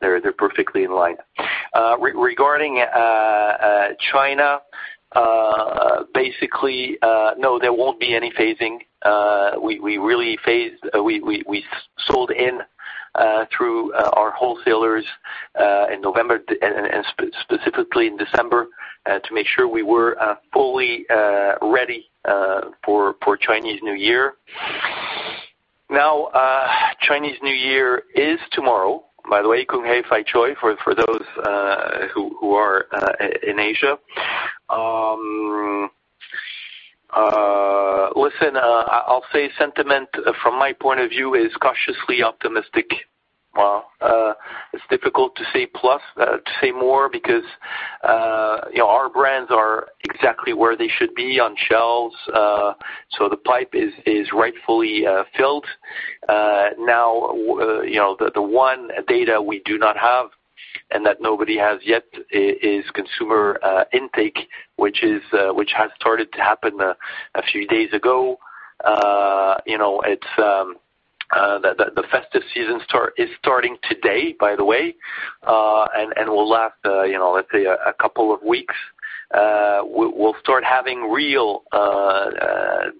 They're perfectly in line. Regarding China, basically, no, there won't be any phasing. We really phase, we sold in through our wholesalers in November and specifically in December to make sure we were fully ready for Chinese New Year. Chinese New Year is tomorrow, by the way, Kung Hei Fat Choi for those who are in Asia. Listen, I'll say sentiment from my point of view is cautiously optimistic. It's difficult to say more because our brands are exactly where they should be on shelves. The pipe is rightfully filled. Now, the one data we do not have and that nobody has yet is consumer intake, which is, which has started to happen a few days ago. It's, the festive season is starting today, by the way, and will last, let's say, a couple of weeks. We'll start having real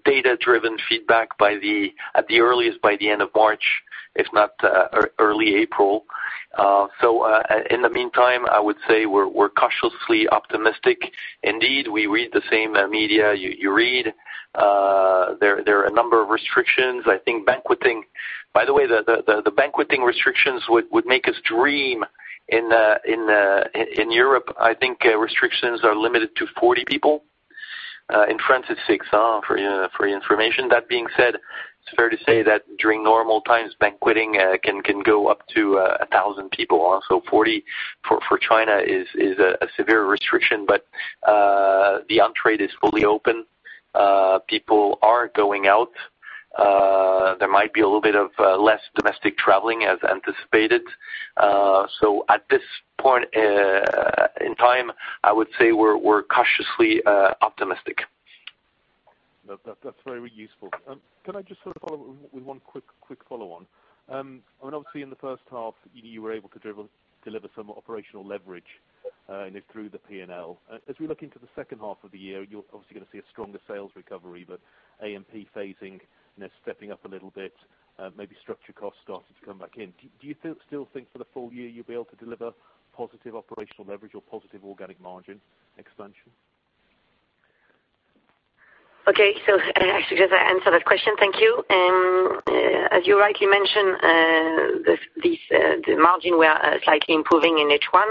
data-driven feedback at the earliest by the end of March, if not early April. In the meantime, I would say we're cautiously optimistic. Indeed, we read the same media you read. There are a number of restrictions. By the way, the banqueting restrictions would make us dream. In Europe, I think restrictions are limited to 40 people. In France, it's six, for your information. That being said, it's fair to say that during normal times, banqueting can go up to 1,000 people. 40 for China is a severe restriction, but the on-trade is fully open. People are going out. There might be a little bit of less domestic traveling as anticipated. So at this point in time, I would say we're cautiously optimistic. That's very useful. Can I just follow with one quick follow-on? Obviously, in the first half, you were able to deliver some operational leverage through the P&L. As we look into the second half of the year, you're obviously going to see a stronger sales recovery, but A&P phasing stepping up a little bit, maybe structure costs starting to come back in. Do you still think for the full year you'll be able to deliver positive operational leverage or positive organic margin expansion? Okay, actually, just to answer that question, thank you. As you rightly mentioned, the margin, we are slightly improving in H1.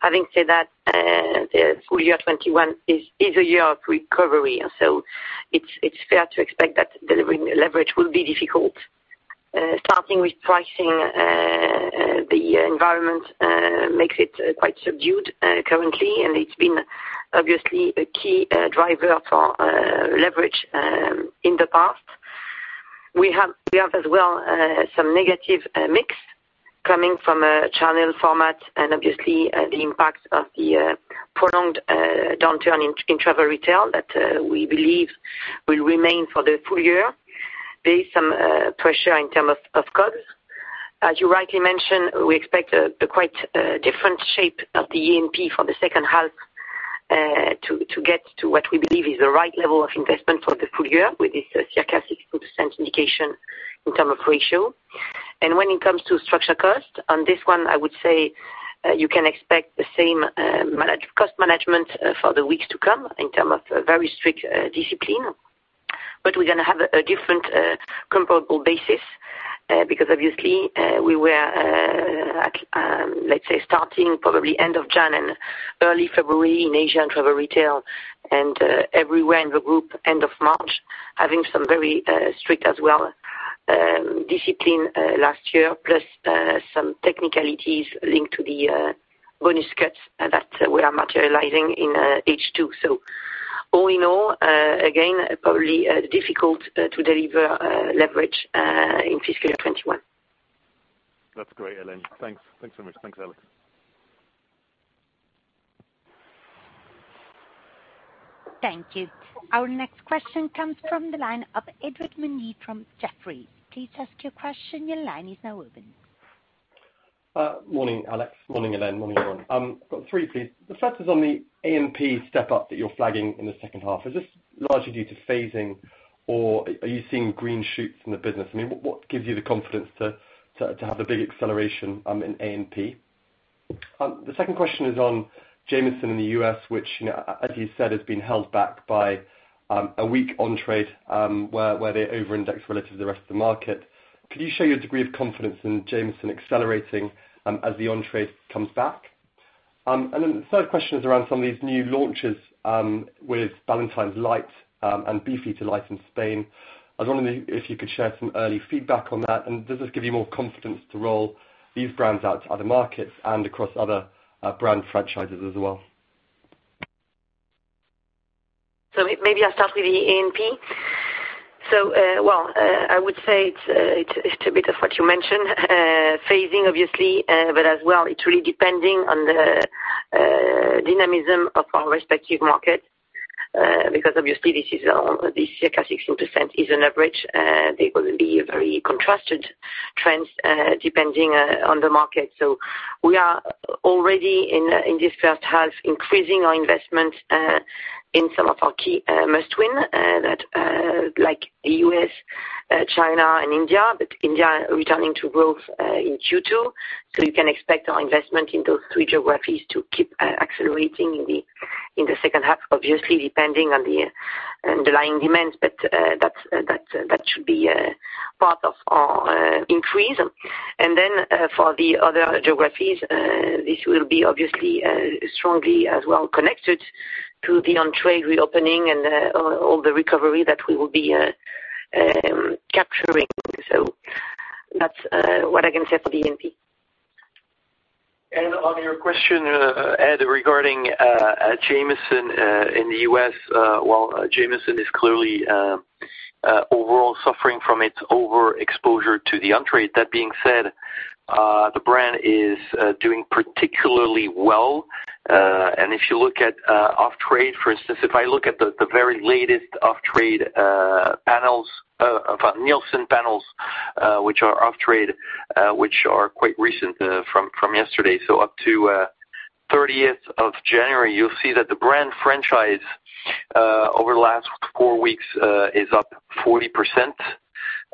Having said that, the full year 2021 is a year of recovery. It's fair to expect that delivering leverage will be difficult. Starting with pricing, the environment makes it quite subdued currently, and it's been obviously a key driver for leverage in the past. We have as well some negative mix coming from a channel format and obviously the impact of the prolonged downturn in travel retail that we believe will remain for the full year. There is some pressure in terms of costs. As you rightly mentioned, we expect a quite different shape of the A&P for the second half to get to what we believe is the right level of investment for the full year with this circa 16% indication in terms of ratio. When it comes to structure cost, on this one, I would say you can expect the same cost management for the weeks to come in term of very strict discipline. But we're going to have a different comparable basis, because obviously, we were at, let's say, starting probably end of January and early February in Asia and travel retail and everywhere in the group end of March, having some very strict as well discipline last year, plus some technicalities linked to the bonus cuts that we are materializing in H2. All in all, again, probably difficult to deliver leverage in fiscal year 2021. That's great, Hélène. Thanks. Thanks so much. Thanks, Alex. Thank you. Our next question comes from the line of Edward Mundy from Jefferies. Please ask your question. Your line is now open. Morning, Alex. Morning, Hélène. Morning, everyone. I've got three, please. The first is on the A&P step up that you're flagging in the second half. Is this largely due to phasing, or are you seeing green shoots in the business? What gives you the confidence to have a big acceleration in A&P? The second question is on Jameson in the U.S., which as you said, has been held back by a weak on-trade, where they over-index relative to the rest of the market. Could you share your degree of confidence in Jameson accelerating as the on-trade comes back? And then the third question is around some of these new launches with Ballantine's Light, and Beefeater Light in Spain. I was wondering if you could share some early feedback on that, and does this give you more confidence to roll these brands out to other markets and across other brand franchises as well? Maybe I'll start with the A&P. So, well, I would say it's a bit of what you mentioned, phasing obviously, but as well, it's really depending on the dynamism of our respective markets, because obviously this circa 16% is an average. There will be very contrasted trends depending on the market. We are already in this first half, increasing our investment in some of our key must-win, like U.S., China and India, but India returning to growth in Q2. You can expect our investment in those three geographies to keep accelerating in the second half, obviously, depending on the underlying demands, but that should be part of our increase. And then for the other geographies, this will be obviously strongly as well connected to the on-trade reopening and all the recovery that we will be capturing. That's what I can say for the A&P. And on your question, Ed, regarding Jameson in the U.S., well, Jameson is clearly overall suffering from its overexposure to the on-trade. That being said, the brand is doing particularly well. And if you look at off-trade, for instance, if I look at the very latest off-trade panels, Nielsen panels which are off-trade which are quite recent from yesterday, so up to 30th of January, you'll see that the brand franchise over the last four weeks is up 40%,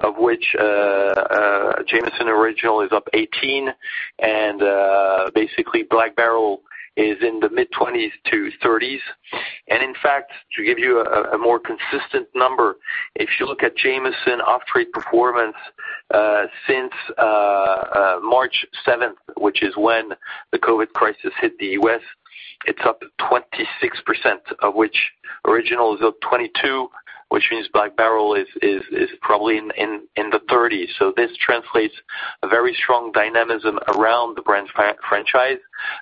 of which Jameson Original is up 18%, and basically Black Barrel is in the mid-20s to 30s. In fact, to give you a more consistent number, if you look at Jameson off-trade performance since March 7th, which is when the COVID crisis hit the U.S., it's up 26%, of which Original is up 22%, which means Black Barrel is probably in the 30s. This translates a very strong dynamism around the brand franchise.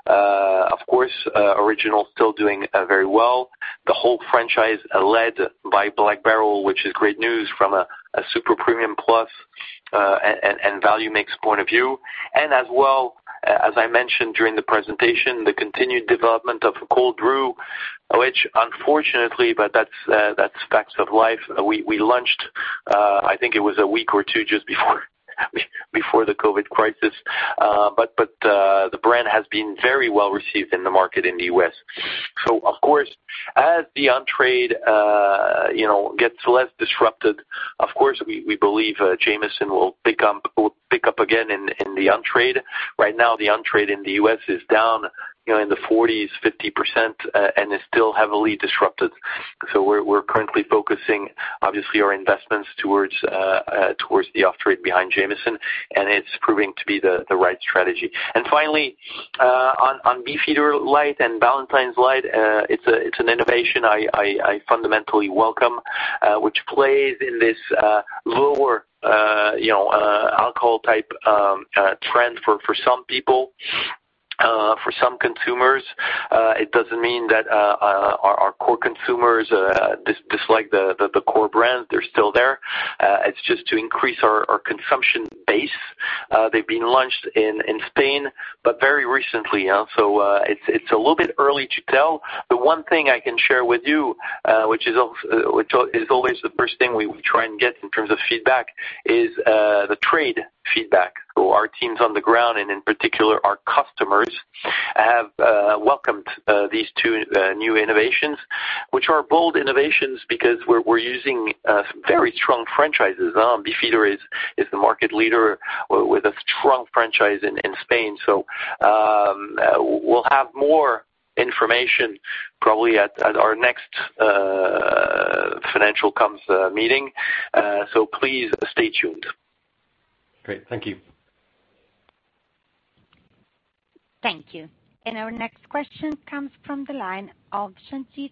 Of course, Jameson Original still doing very well. The whole franchise led by Black Barrel, which is great news from a super-premium plus and value mix point of view. As well, as I mentioned during the presentation, the continued development of the Cold Brew, which unfortunately, but that's facts of life, we launched I think it was a week or two just before the COVID crisis. The brand has been very well received in the market in the U.S. Of course, as the on-trade gets less disrupted, of course, we believe Jameson will pick up again in the on-trade. Right now, the on-trade in the U.S. is down in the 40s, 50%, and is still heavily disrupted. We're currently focusing, obviously, our investments towards the off-trade behind Jameson, and it's proving to be the right strategy. And finally, on Beefeater Light and Ballantine's Light, it's an innovation I fundamentally welcome. Which plays in this lower alcohol type trend for some people, for some consumers. It doesn't mean that our core consumers dislike the core brand. They're still there. It's just to increase our consumption base. They've been launched in Spain, but very recently. It's a little bit early to tell. The one thing I can share with you, which is always the first thing we try and get in terms of feedback, is the trade feedback, who our team's on the ground, and in particular, our customers, have welcomed these two new innovations, which are bold innovations because we're using some very strong franchises. Beefeater is the market leader with a strong franchise in Spain. We'll have more information probably at our next financial comms meeting. Please stay tuned. Great. Thank you. Thank you. Our next question comes from the line of Sanjeet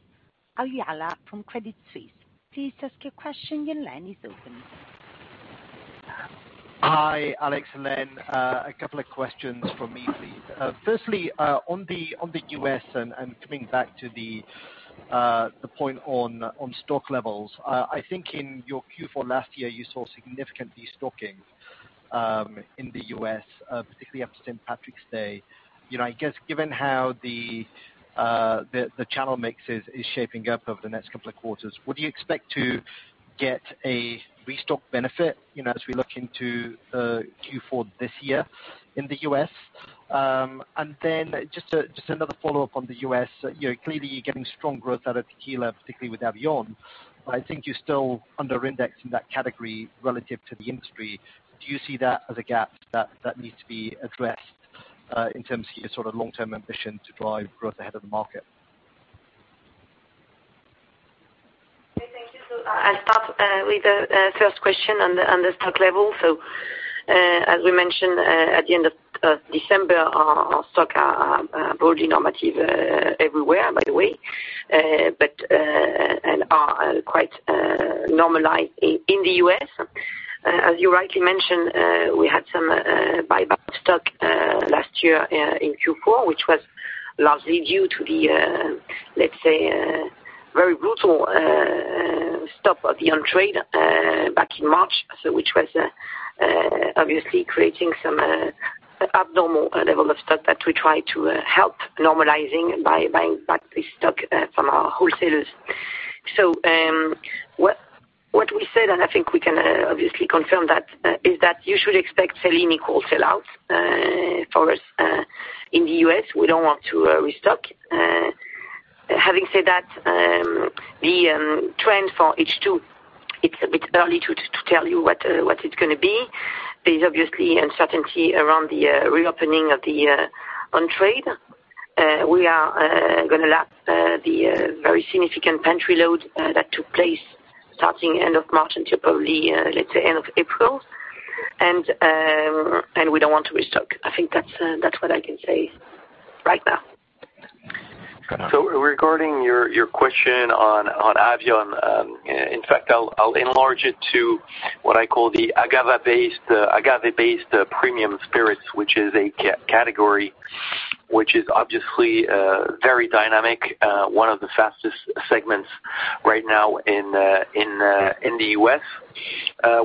Aujla from Credit Suisse. Please ask your question. Your line is open. Hi, Alex, Hélène. A couple of questions from me, please. Firstly, on the U.S., coming back to the point on stock levels. I think in your Q4 last year, you saw significant destocking, in the U.S., particularly after St. Patrick's Day. I guess, given how the channel mix is shaping up over the next couple of quarters, would you expect to get a restock benefit, as we look into Q4 this year in the U.S.? And then just another follow-up on the U.S. Clearly, you're getting strong growth out of tequila, particularly with Avión, but I think you're still under-indexed in that category relative to the industry. Do you see that as a gap that needs to be addressed, in terms of your long-term ambition to drive growth ahead of the market? Okay, thank you. I'll start with the first question on the stock level. As we mentioned, at the end of December, our stock are broadly normative everywhere, by the way, and are quite normalized in the U.S. As you rightly mentioned, we had some buyback stock last year in Q4, which was largely due to the, let's say, very brutal stop of the on-trade back in March. Which was obviously creating some abnormal level of stock that we try to help normalizing by buying back the stock from our wholesalers. What we said, and I think we can obviously confirm that, is that you should expect sell equal sell-outs for us in the U.S. We don't want to restock. Having said that, the trend for H2, it's a bit early to tell you what it's going to be. There's obviously uncertainty around the reopening of the on-trade. We are going to lap the very significant pantry load that took place starting end of March until probably, let's say, end of April. We don't want to restock. I think that's what I can say right now. Regarding your question on Avión, in fact, I'll enlarge it to what I call the agave-based premium spirits, which is a category which is obviously very dynamic. One of the fastest segments right now in the U.S.,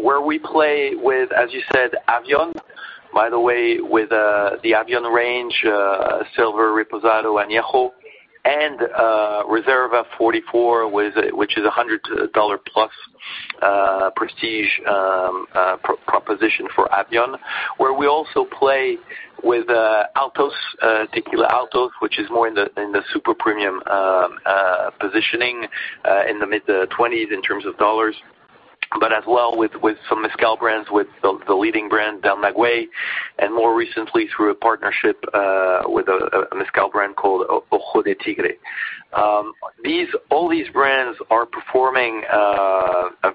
where we play with, as you said, Avión. By the way, with the Avión range, Silver, Reposado, Añejo, and Reserva 44, which is $100 plus prestige proposition for Avión, where we also play with Altos, tequila Altos, which is more in the super premium positioning, in the mid-$20s in terms of dollars. But as well with some mezcal brands, with the leading brand Del Maguey, and more recently through a partnership with a mezcal brand called Ojo de Tigre. These, all these brands are performing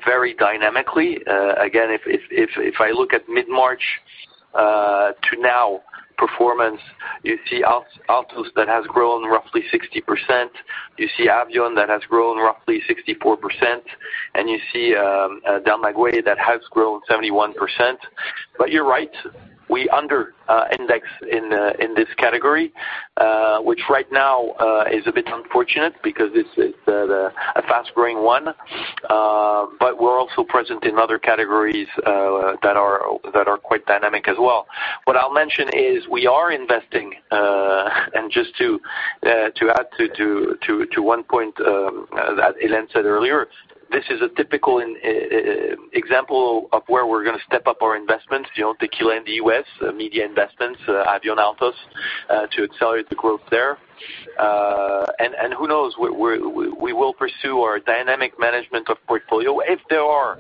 very dynamically. Again, if I look at mid-March to now performance, you see Altos that has grown roughly 60%. You see Avión that has grown roughly 64%, and you see Del Maguey that has grown 71%. You're right. We under index in this category, which right now, is a bit unfortunate because it's a fast-growing one. But we're also present in other categories that are quite dynamic as well. What I'll mention is we are investing, and just to add to one point that Hélène said earlier, this is a typical example of where we're going to step up our investments, tequila in the U.S., media investments, Avión, Altos, to accelerate the growth there. Who knows? We will pursue our dynamic management of portfolio. If there are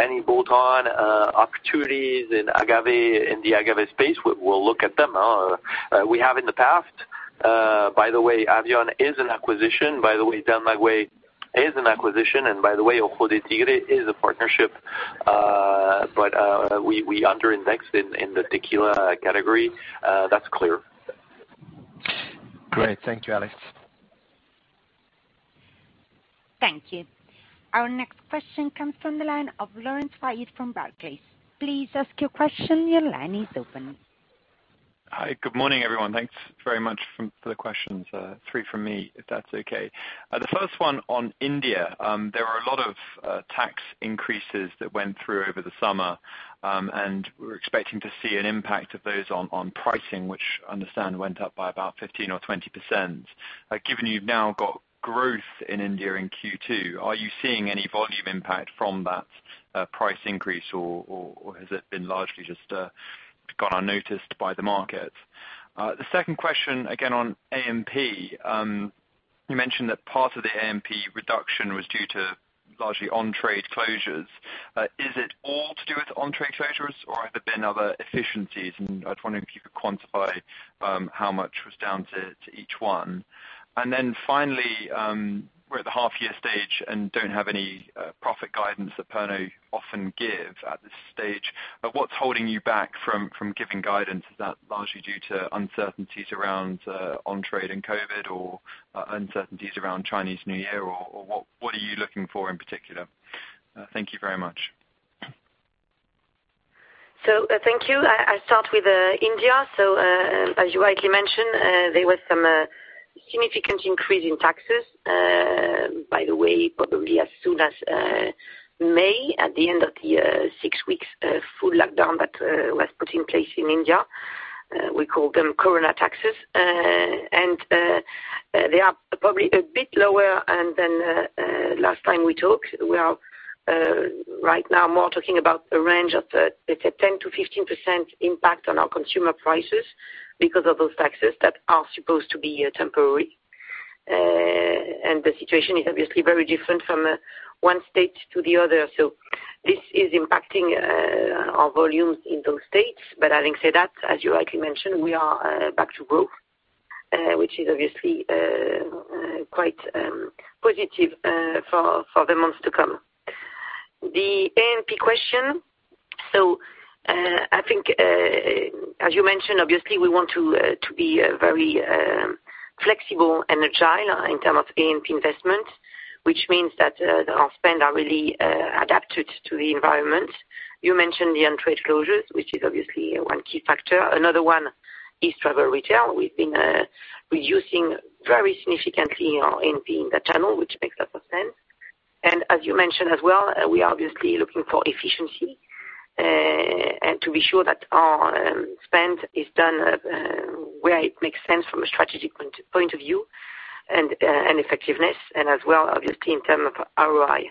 any bolt-on opportunities in the agave space, we'll look at them. We have in the past. By the way, Avión is an acquisition. By the way, Del Maguey is an acquisition. By the way, Ojo de Tigre is a partnership. We under indexed in the tequila category. That's clear. Great. Thank you, Alex. Thank you. Our next question comes from the line of Laurence Whyatt from Barclays. Please ask your question. Your line is open. Hi. Good morning, everyone. Thanks very much for the questions. Three from me, if that's okay. The first one on India. There were a lot of tax increases that went through over the summer. We're expecting to see an impact of those on pricing, which I understand went up by about 15% or 20%. Given you've now got growth in India in Q2, are you seeing any volume impact from that price increase, or has it been largely just gone unnoticed by the market? The second question, again on A&P. You mentioned that part of the A&P reduction was due to largely on-trade closures. Is it all to do with on-trade closures, or have there been other efficiencies? I just wonder if you could quantify how much was down to each one. Finally, we're at the half year stage and don't have any profit guidance that Pernod often give at this stage. What's holding you back from giving guidance? Is that largely due to uncertainties around on-trade and COVID, or uncertainties around Chinese New Year? What are you looking for in particular? Thank you very much. Thank you. I start with India. As you rightly mentioned, there was some significant increase in taxes. By the way, probably as soon as May, at the end of the six weeks full lockdown that was put in place in India. We call them Corona taxes. They are probably a bit lower than last time we talked. We are right now more talking about a range of, let's say, 10%-15% impact on our consumer prices because of those taxes that are supposed to be temporary. The situation is obviously very different from one state to the other. This is impacting our volumes in those states. Having said that, as you rightly mentioned, we are back to growth, which is obviously quite positive for the months to come. The A&P question. So, I think, as you mentioned, obviously we want to be very flexible and agile in term of A&P investment, which means that our spend are really adapted to the environment. You mentioned the on-trade closures, which is obviously one key factor. Another one is travel retail. We've been reducing very significantly in the channel, which makes a lot of sense. And as you mentioned as well, we are obviously looking for efficiency, and to be sure that our spend is done where it makes sense from a strategic point of view and effectiveness and as well, obviously, in term of ROI.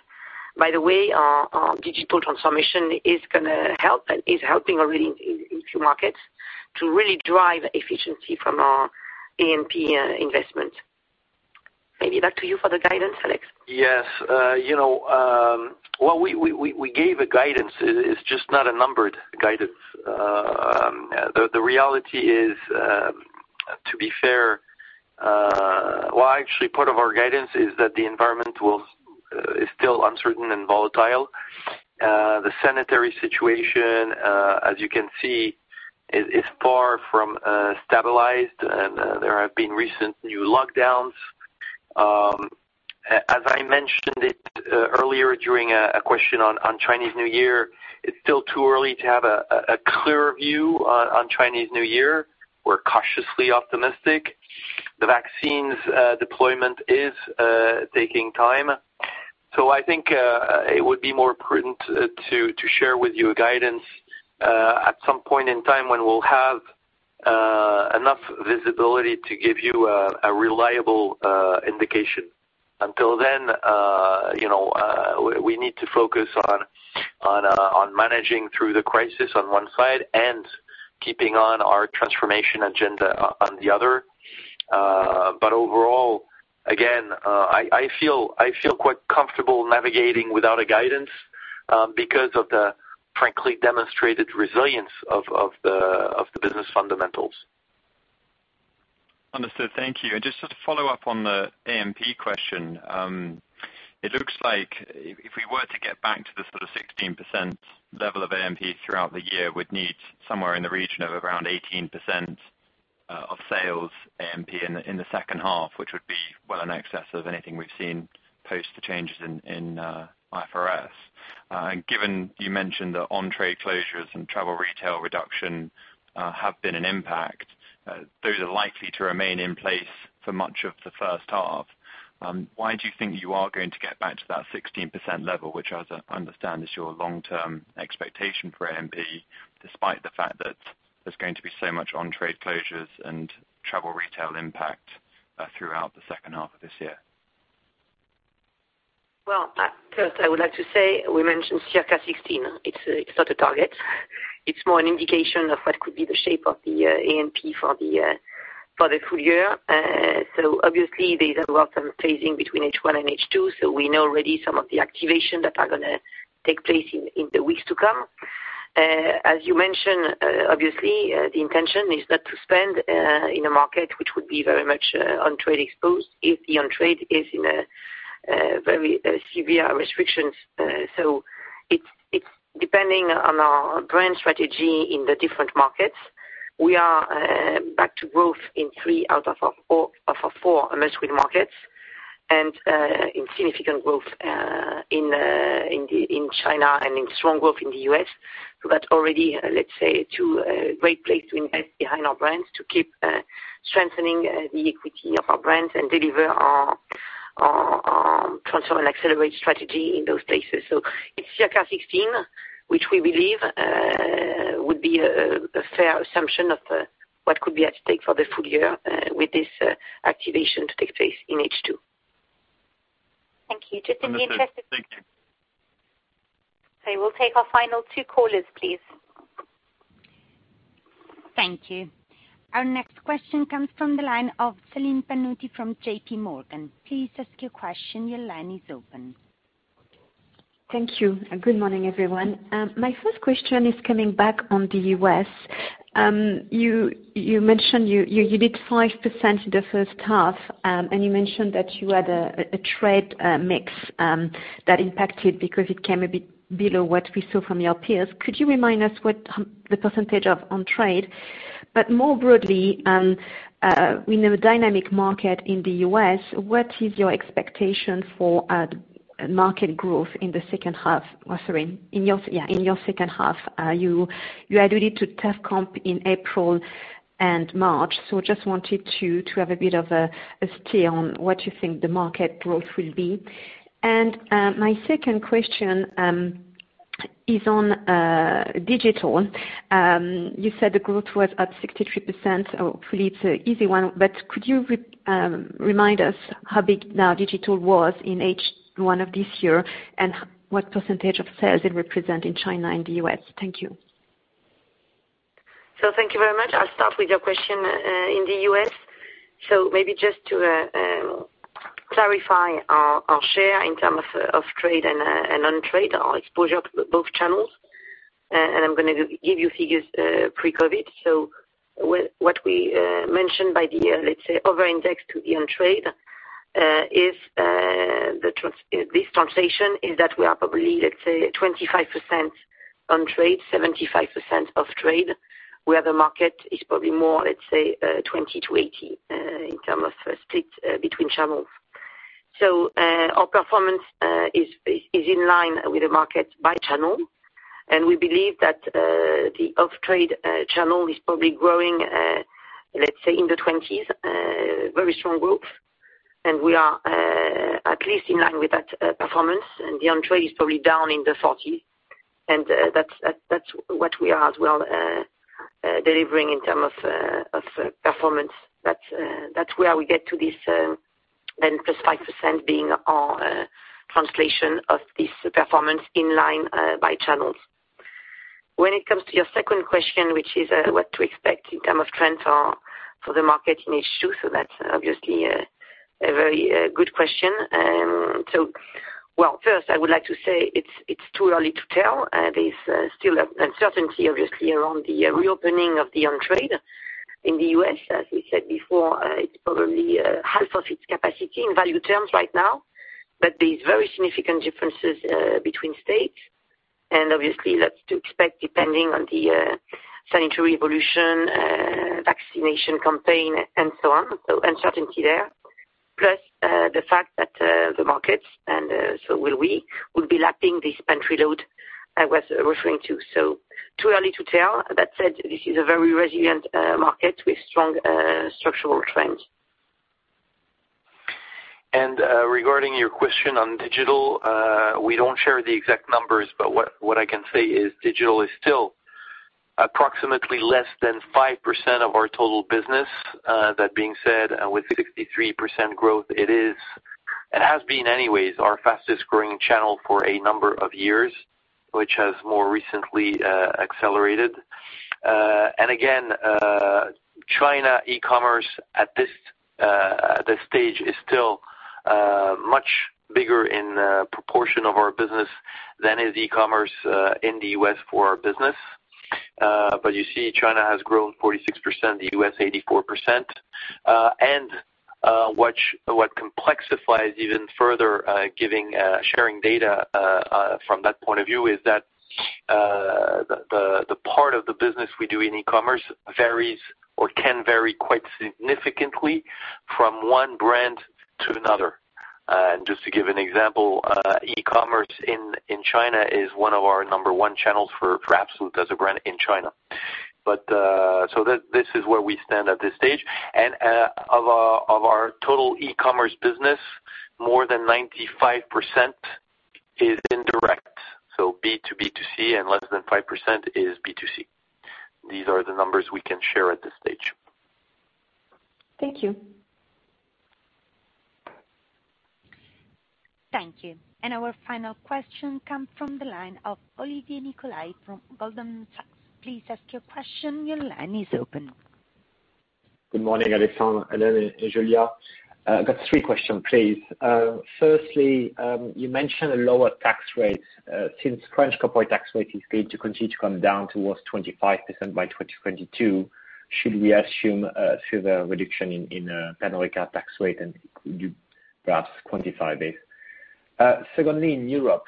By the way, our digital transformation is going to help, and is helping already in a few markets to really drive efficiency from our A&P investment. Maybe back to you for the guidance, Alex. Yes. Well, we gave a guidance, it's just not a numbered guidance. The reality is, to be fair, well, actually, part of our guidance is that the environment is still uncertain and volatile. The sanitary situation, as you can see, is far from stabilized. There have been recent new lockdowns. As I mentioned it earlier during a question on Chinese New Year, it's still too early to have a clearer view on Chinese New Year. We're cautiously optimistic. The vaccine's deployment is taking time. So I think it would be more prudent to share with you a guidance at some point in time when we'll have enough visibility to give you a reliable indication. Until then, we need to focus on managing through the crisis on one side and keeping on our transformation agenda on the other. But overall, again, I feel quite comfortable navigating without a guidance because of the frankly demonstrated resilience of the business fundamentals. Understood. Thank you. And just to follow up on the A&P question. It looks like if we were to get back to the sort of 16% level of A&P throughout the year, we'd need somewhere in the region of around 18% of sales A&P in the second half, which would be well in excess of anything we've seen post the changes in IFRS. Given you mentioned that on-trade closures and travel retail reduction have been an impact, those are likely to remain in place for much of the first half. Why do you think you are going to get back to that 16% level, which I understand is your long-term expectation for A&P, despite the fact that there's going to be so much on-trade closures and travel retail impact throughout the second half of this year? Well, first I would like to say, we mentioned circa 16. It's not a target. It's more an indication of what could be the shape of the A&P for the full year. Obviously these are lots of phasing between H1 and H2, we know already some of the activation that are going to take place in the weeks to come. As you mentioned, obviously, the intention is not to spend in a market which would be very much on-trade exposed if the on-trade is in a very severe restrictions. Depending on our brand strategy in the different markets, we are back to growth in three out of our four emerging markets and in significant growth in China and in strong growth in the U.S. That's already, let's say, two great places to invest behind our brands to keep strengthening the equity of our brands and deliver our Transform & Accelerate strategy in those places. It's circa 16, which we believe would be a fair assumption of what could be at stake for the full year with this activation to take place in H2. Thank you. Two final- Thank you. We'll take our final two callers, please. Thank you. Our next question comes from the line of Céline Pannuti from J.P. Morgan. Please ask your question. Your line is open. Thank you and good morning, everyone. My first question is coming back on the U.S. You mentioned you did 5% in the first half. You mentioned that you had a trade mix that impacted because it came a bit below what we saw from your peers. Could you remind us what the percentage of on-trade, but more broadly, in a dynamic market in the U.S., what is your expectation for market growth in your second half? You had related to tough comp in April and March, just wanted to have a bit of a stay on what you think the market growth will be. My second question is on digital. You said the growth was up 63%, hopefully it's an easy one, but could you remind us how big now digital was in H1 of this year and what percentage of sales it represent in China and the U.S.? Thank you. Thank you very much. I'll start with your question in the U.S. Maybe just to clarify our share in terms of off-trade and on-trade, our exposure to both channels, and I'm going to give you figures pre-COVID. What we mentioned by the year, let's say over-index to the on-trade is this translation is that we are probably, let's say 25% on-trade, 75% off-trade, where the market is probably more, let's say, 20%-80% in terms of split between channels. Our performance is in line with the market by channel, and we believe that the off-trade channel is probably growing, let's say in the 20s, very strong growth, and we are at least in line with that performance, and the on-trade is probably down in the 40. That's what we are as well, delivering in terms of performance. That's where we get to this then +5% being our translation of this performance in line by channels. When it comes to your second question, which is what to expect in terms of trends for the market in H2, that's obviously a very good question. Well, first, I would like to say it's too early to tell. There's still uncertainty, obviously, around the reopening of the on-trade in the U.S. As we said before, it's probably half of its capacity in value terms right now, but there's very significant differences between states, and obviously lots to expect depending on the sanitary evolution, vaccination campaign, and so on. Uncertainty there. The fact that the markets, and so will we, will be lapping this pantry load I was referring to. Too early to tell. That said, this is a very resilient market with strong structural trends. And regarding your question on digital, we don't share the exact numbers, but what I can say is digital is still approximately less than 5% of our total business. That being said, with 63% growth, it is, it has been anyways our fastest growing channel for a number of years, which has more recently accelerated. And again, China e-commerce at this stage is still much bigger in proportion of our business than is e-commerce in the U.S. for our business. But you see China has grown 46%, the U.S. 84%. And what complexifies even further giving, sharing data from that point of view is that the part of the business we do in e-commerce varies or can vary quite significantly from one brand to another. Just to give an example, e-commerce in China is one of our number one channels for Absolut as a brand in China. This is where we stand at this stage. Of our total e-commerce business, more than 95% is indirect, so B2B2C, and less than 5% is B2C. These are the numbers we can share at this stage. Thank you. Thank you. And our final question comes from the line of Olivier Nicolaï from Goldman Sachs. Please ask your question. Your line is open. Good morning, Alexandre, Hélène, and Julia. I've got three questions, please. Firstly, you mentioned a lower tax rate, since French corporate tax rate is going to continue to come down towards 25% by 2022, should we assume a further reduction in Pernod Ricard tax rate? Could you perhaps quantify this. Secondly, in Europe,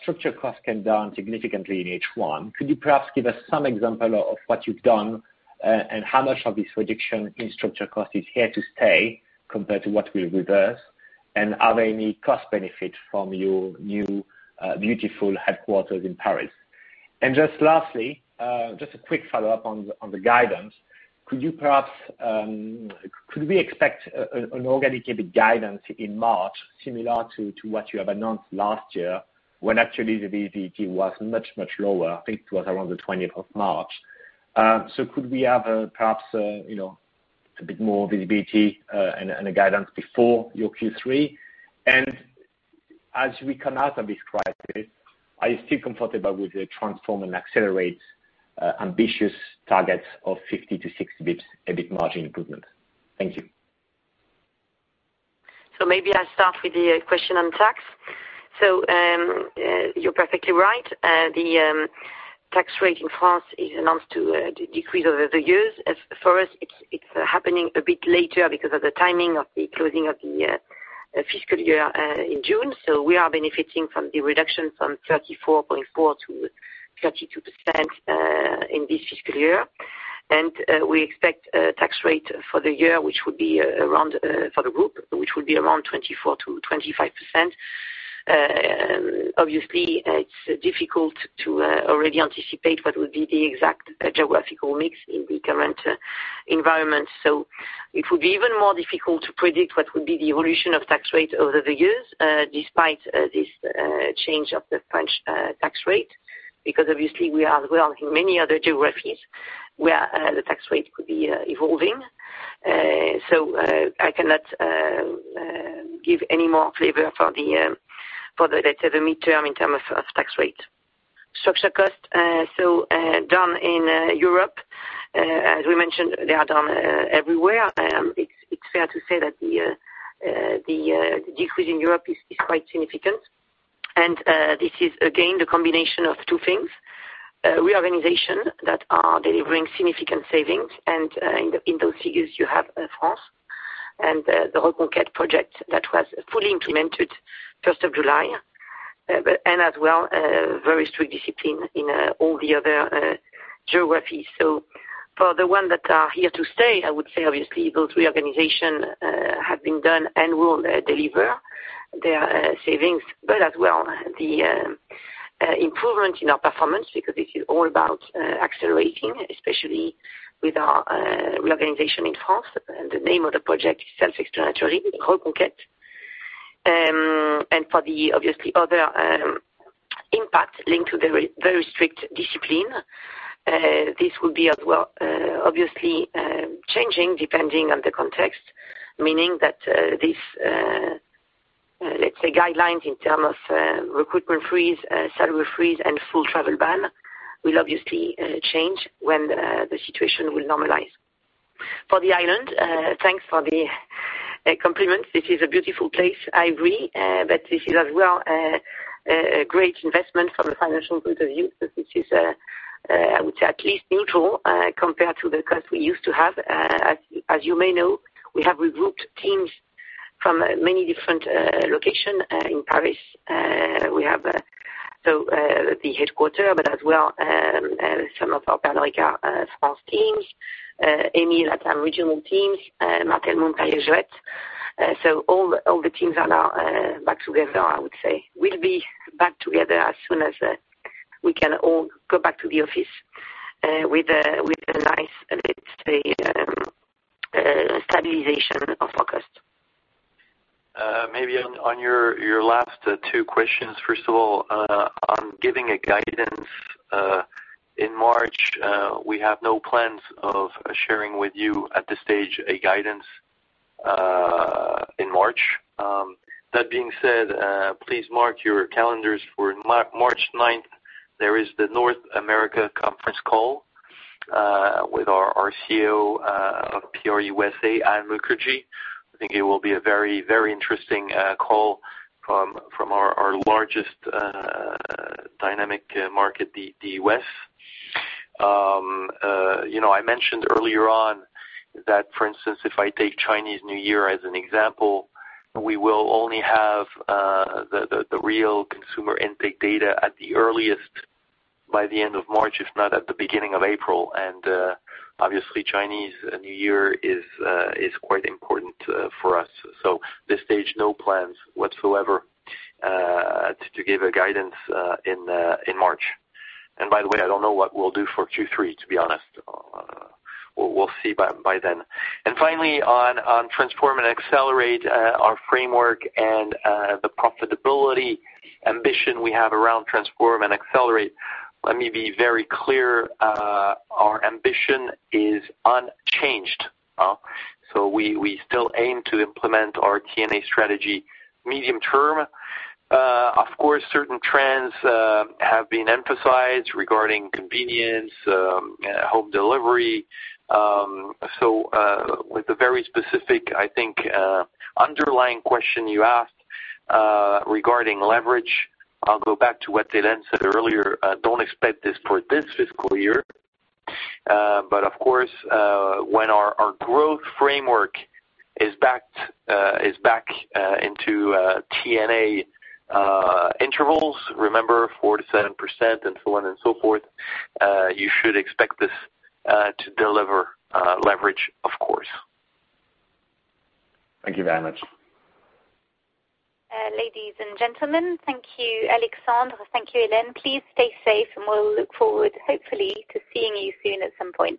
structure costs came down significantly in H1. Could you perhaps give us some example of what you've done, and how much of this reduction in structure cost is here to stay compared to what will reverse? Are there any cost benefits from your new beautiful headquarters in Paris? And just lastly, a quick follow-up on the guidance. Could you, perhaps, could we expect an organic guidance in March similar to what you have announced last year, when actually the visibility was much, much lower? I think it was around the 20th of March. Could we have perhaps a bit more visibility and a guidance before your Q3? And as we come out of this crisis, are you still comfortable with the Transform & Accelerate ambitious targets of 50-60 basis points, EBIT margin improvement? Thank you. Maybe I'll start with the question on tax. You are perfectly right. The tax rate in France is announced to decrease over the years. As for us, it is happening a bit later because of the timing of the closing of the year, fiscal year in June. We are benefiting from the reduction from 34.4% to 32% in this fiscal year. And we expect a tax rate for the group, which would be around 24%-25%. Obviously, it is difficult to already anticipate what would be the exact geographical mix in the current environment. It would be even more difficult to predict what would be the evolution of tax rate over the years, despite this change of the French tax rate, because obviously we are in many other geographies where the tax rate could be evolving. I cannot give any more flavor for the midterm in term of tax rate. Structure cost, down in Europe, as we mentioned, they are down everywhere. It's fair to say that the decrease in Europe is quite significant. This is again, the combination of two things, reorganization that are delivering significant savings. In those figures you have France and the Reconquête project that was fully implemented 1st of July. As well, very strict discipline in all the other geographies. For the ones that are here to stay, I would say obviously those reorganization have been done and will deliver their savings. As well, the improvement in our performance, because this is all about accelerating, especially with our reorganization in France. The name of the project is self-explanatory, Reconquête. For the obviously other impact linked to the very strict discipline, this will be as well obviously changing depending on the context. Meaning that these, let's say, guidelines in terms of recruitment freeze, salary freeze and full travel ban will obviously change when the situation will normalize. For The Island, thanks for the compliment. This is a beautiful place, I agree. This is as well a great investment from a financial point of view, because it is at least neutral compared to the cost we used to have. As you may know, we have regrouped teams from many different locations in Paris. We have the headquarters, but as well some of our Pernod Ricard France teams, EMEA & LATAM regional teams, Martell, Mumm, Perrier-Jouët. All the teams are now back together, I would say. We'll be back together as soon as we can all go back to the office with a nice, let's say, stabilization of our cost. Maybe on your last two questions, first of all, on giving a guidance in March, we have no plans of sharing with you at this stage a guidance in March. That being said, please mark your calendars for March 9th. There is the North America conference call, with our CEO of PR USA, Ann Mukherjee. I think it will be a very interesting call from our largest dynamic market, the U.S. I mentioned earlier on that, for instance, if I take Chinese New Year as an example, we will only have the real consumer intake data at the earliest by the end of March, if not at the beginning of April. Obviously Chinese New Year is quite important for us. This stage, no plans whatsoever to give a guidance in March. And by the way, I don't know what we'll do for Q3, to be honest. We'll see by then. And finally, on Transform & Accelerate, our framework and the profitability ambition we have around Transform & Accelerate, let me be very clear, our ambition is unchanged. We still aim to implement our T&A strategy medium term. Of course, certain trends have been emphasized regarding convenience, home delivery. With a very specific, I think, underlying question you asked, regarding leverage, I'll go back to what Hélène said earlier. Don't expect this for this fiscal year. But of course, when our growth framework is back into T&A intervals, remember 4%-7% and so on and so forth, you should expect this to deliver leverage, of course. Thank you very much. Ladies and gentlemen. Thank you, Alexandre. Thank you, Hélène. Please stay safe. We'll look forward, hopefully, to seeing you soon at some point.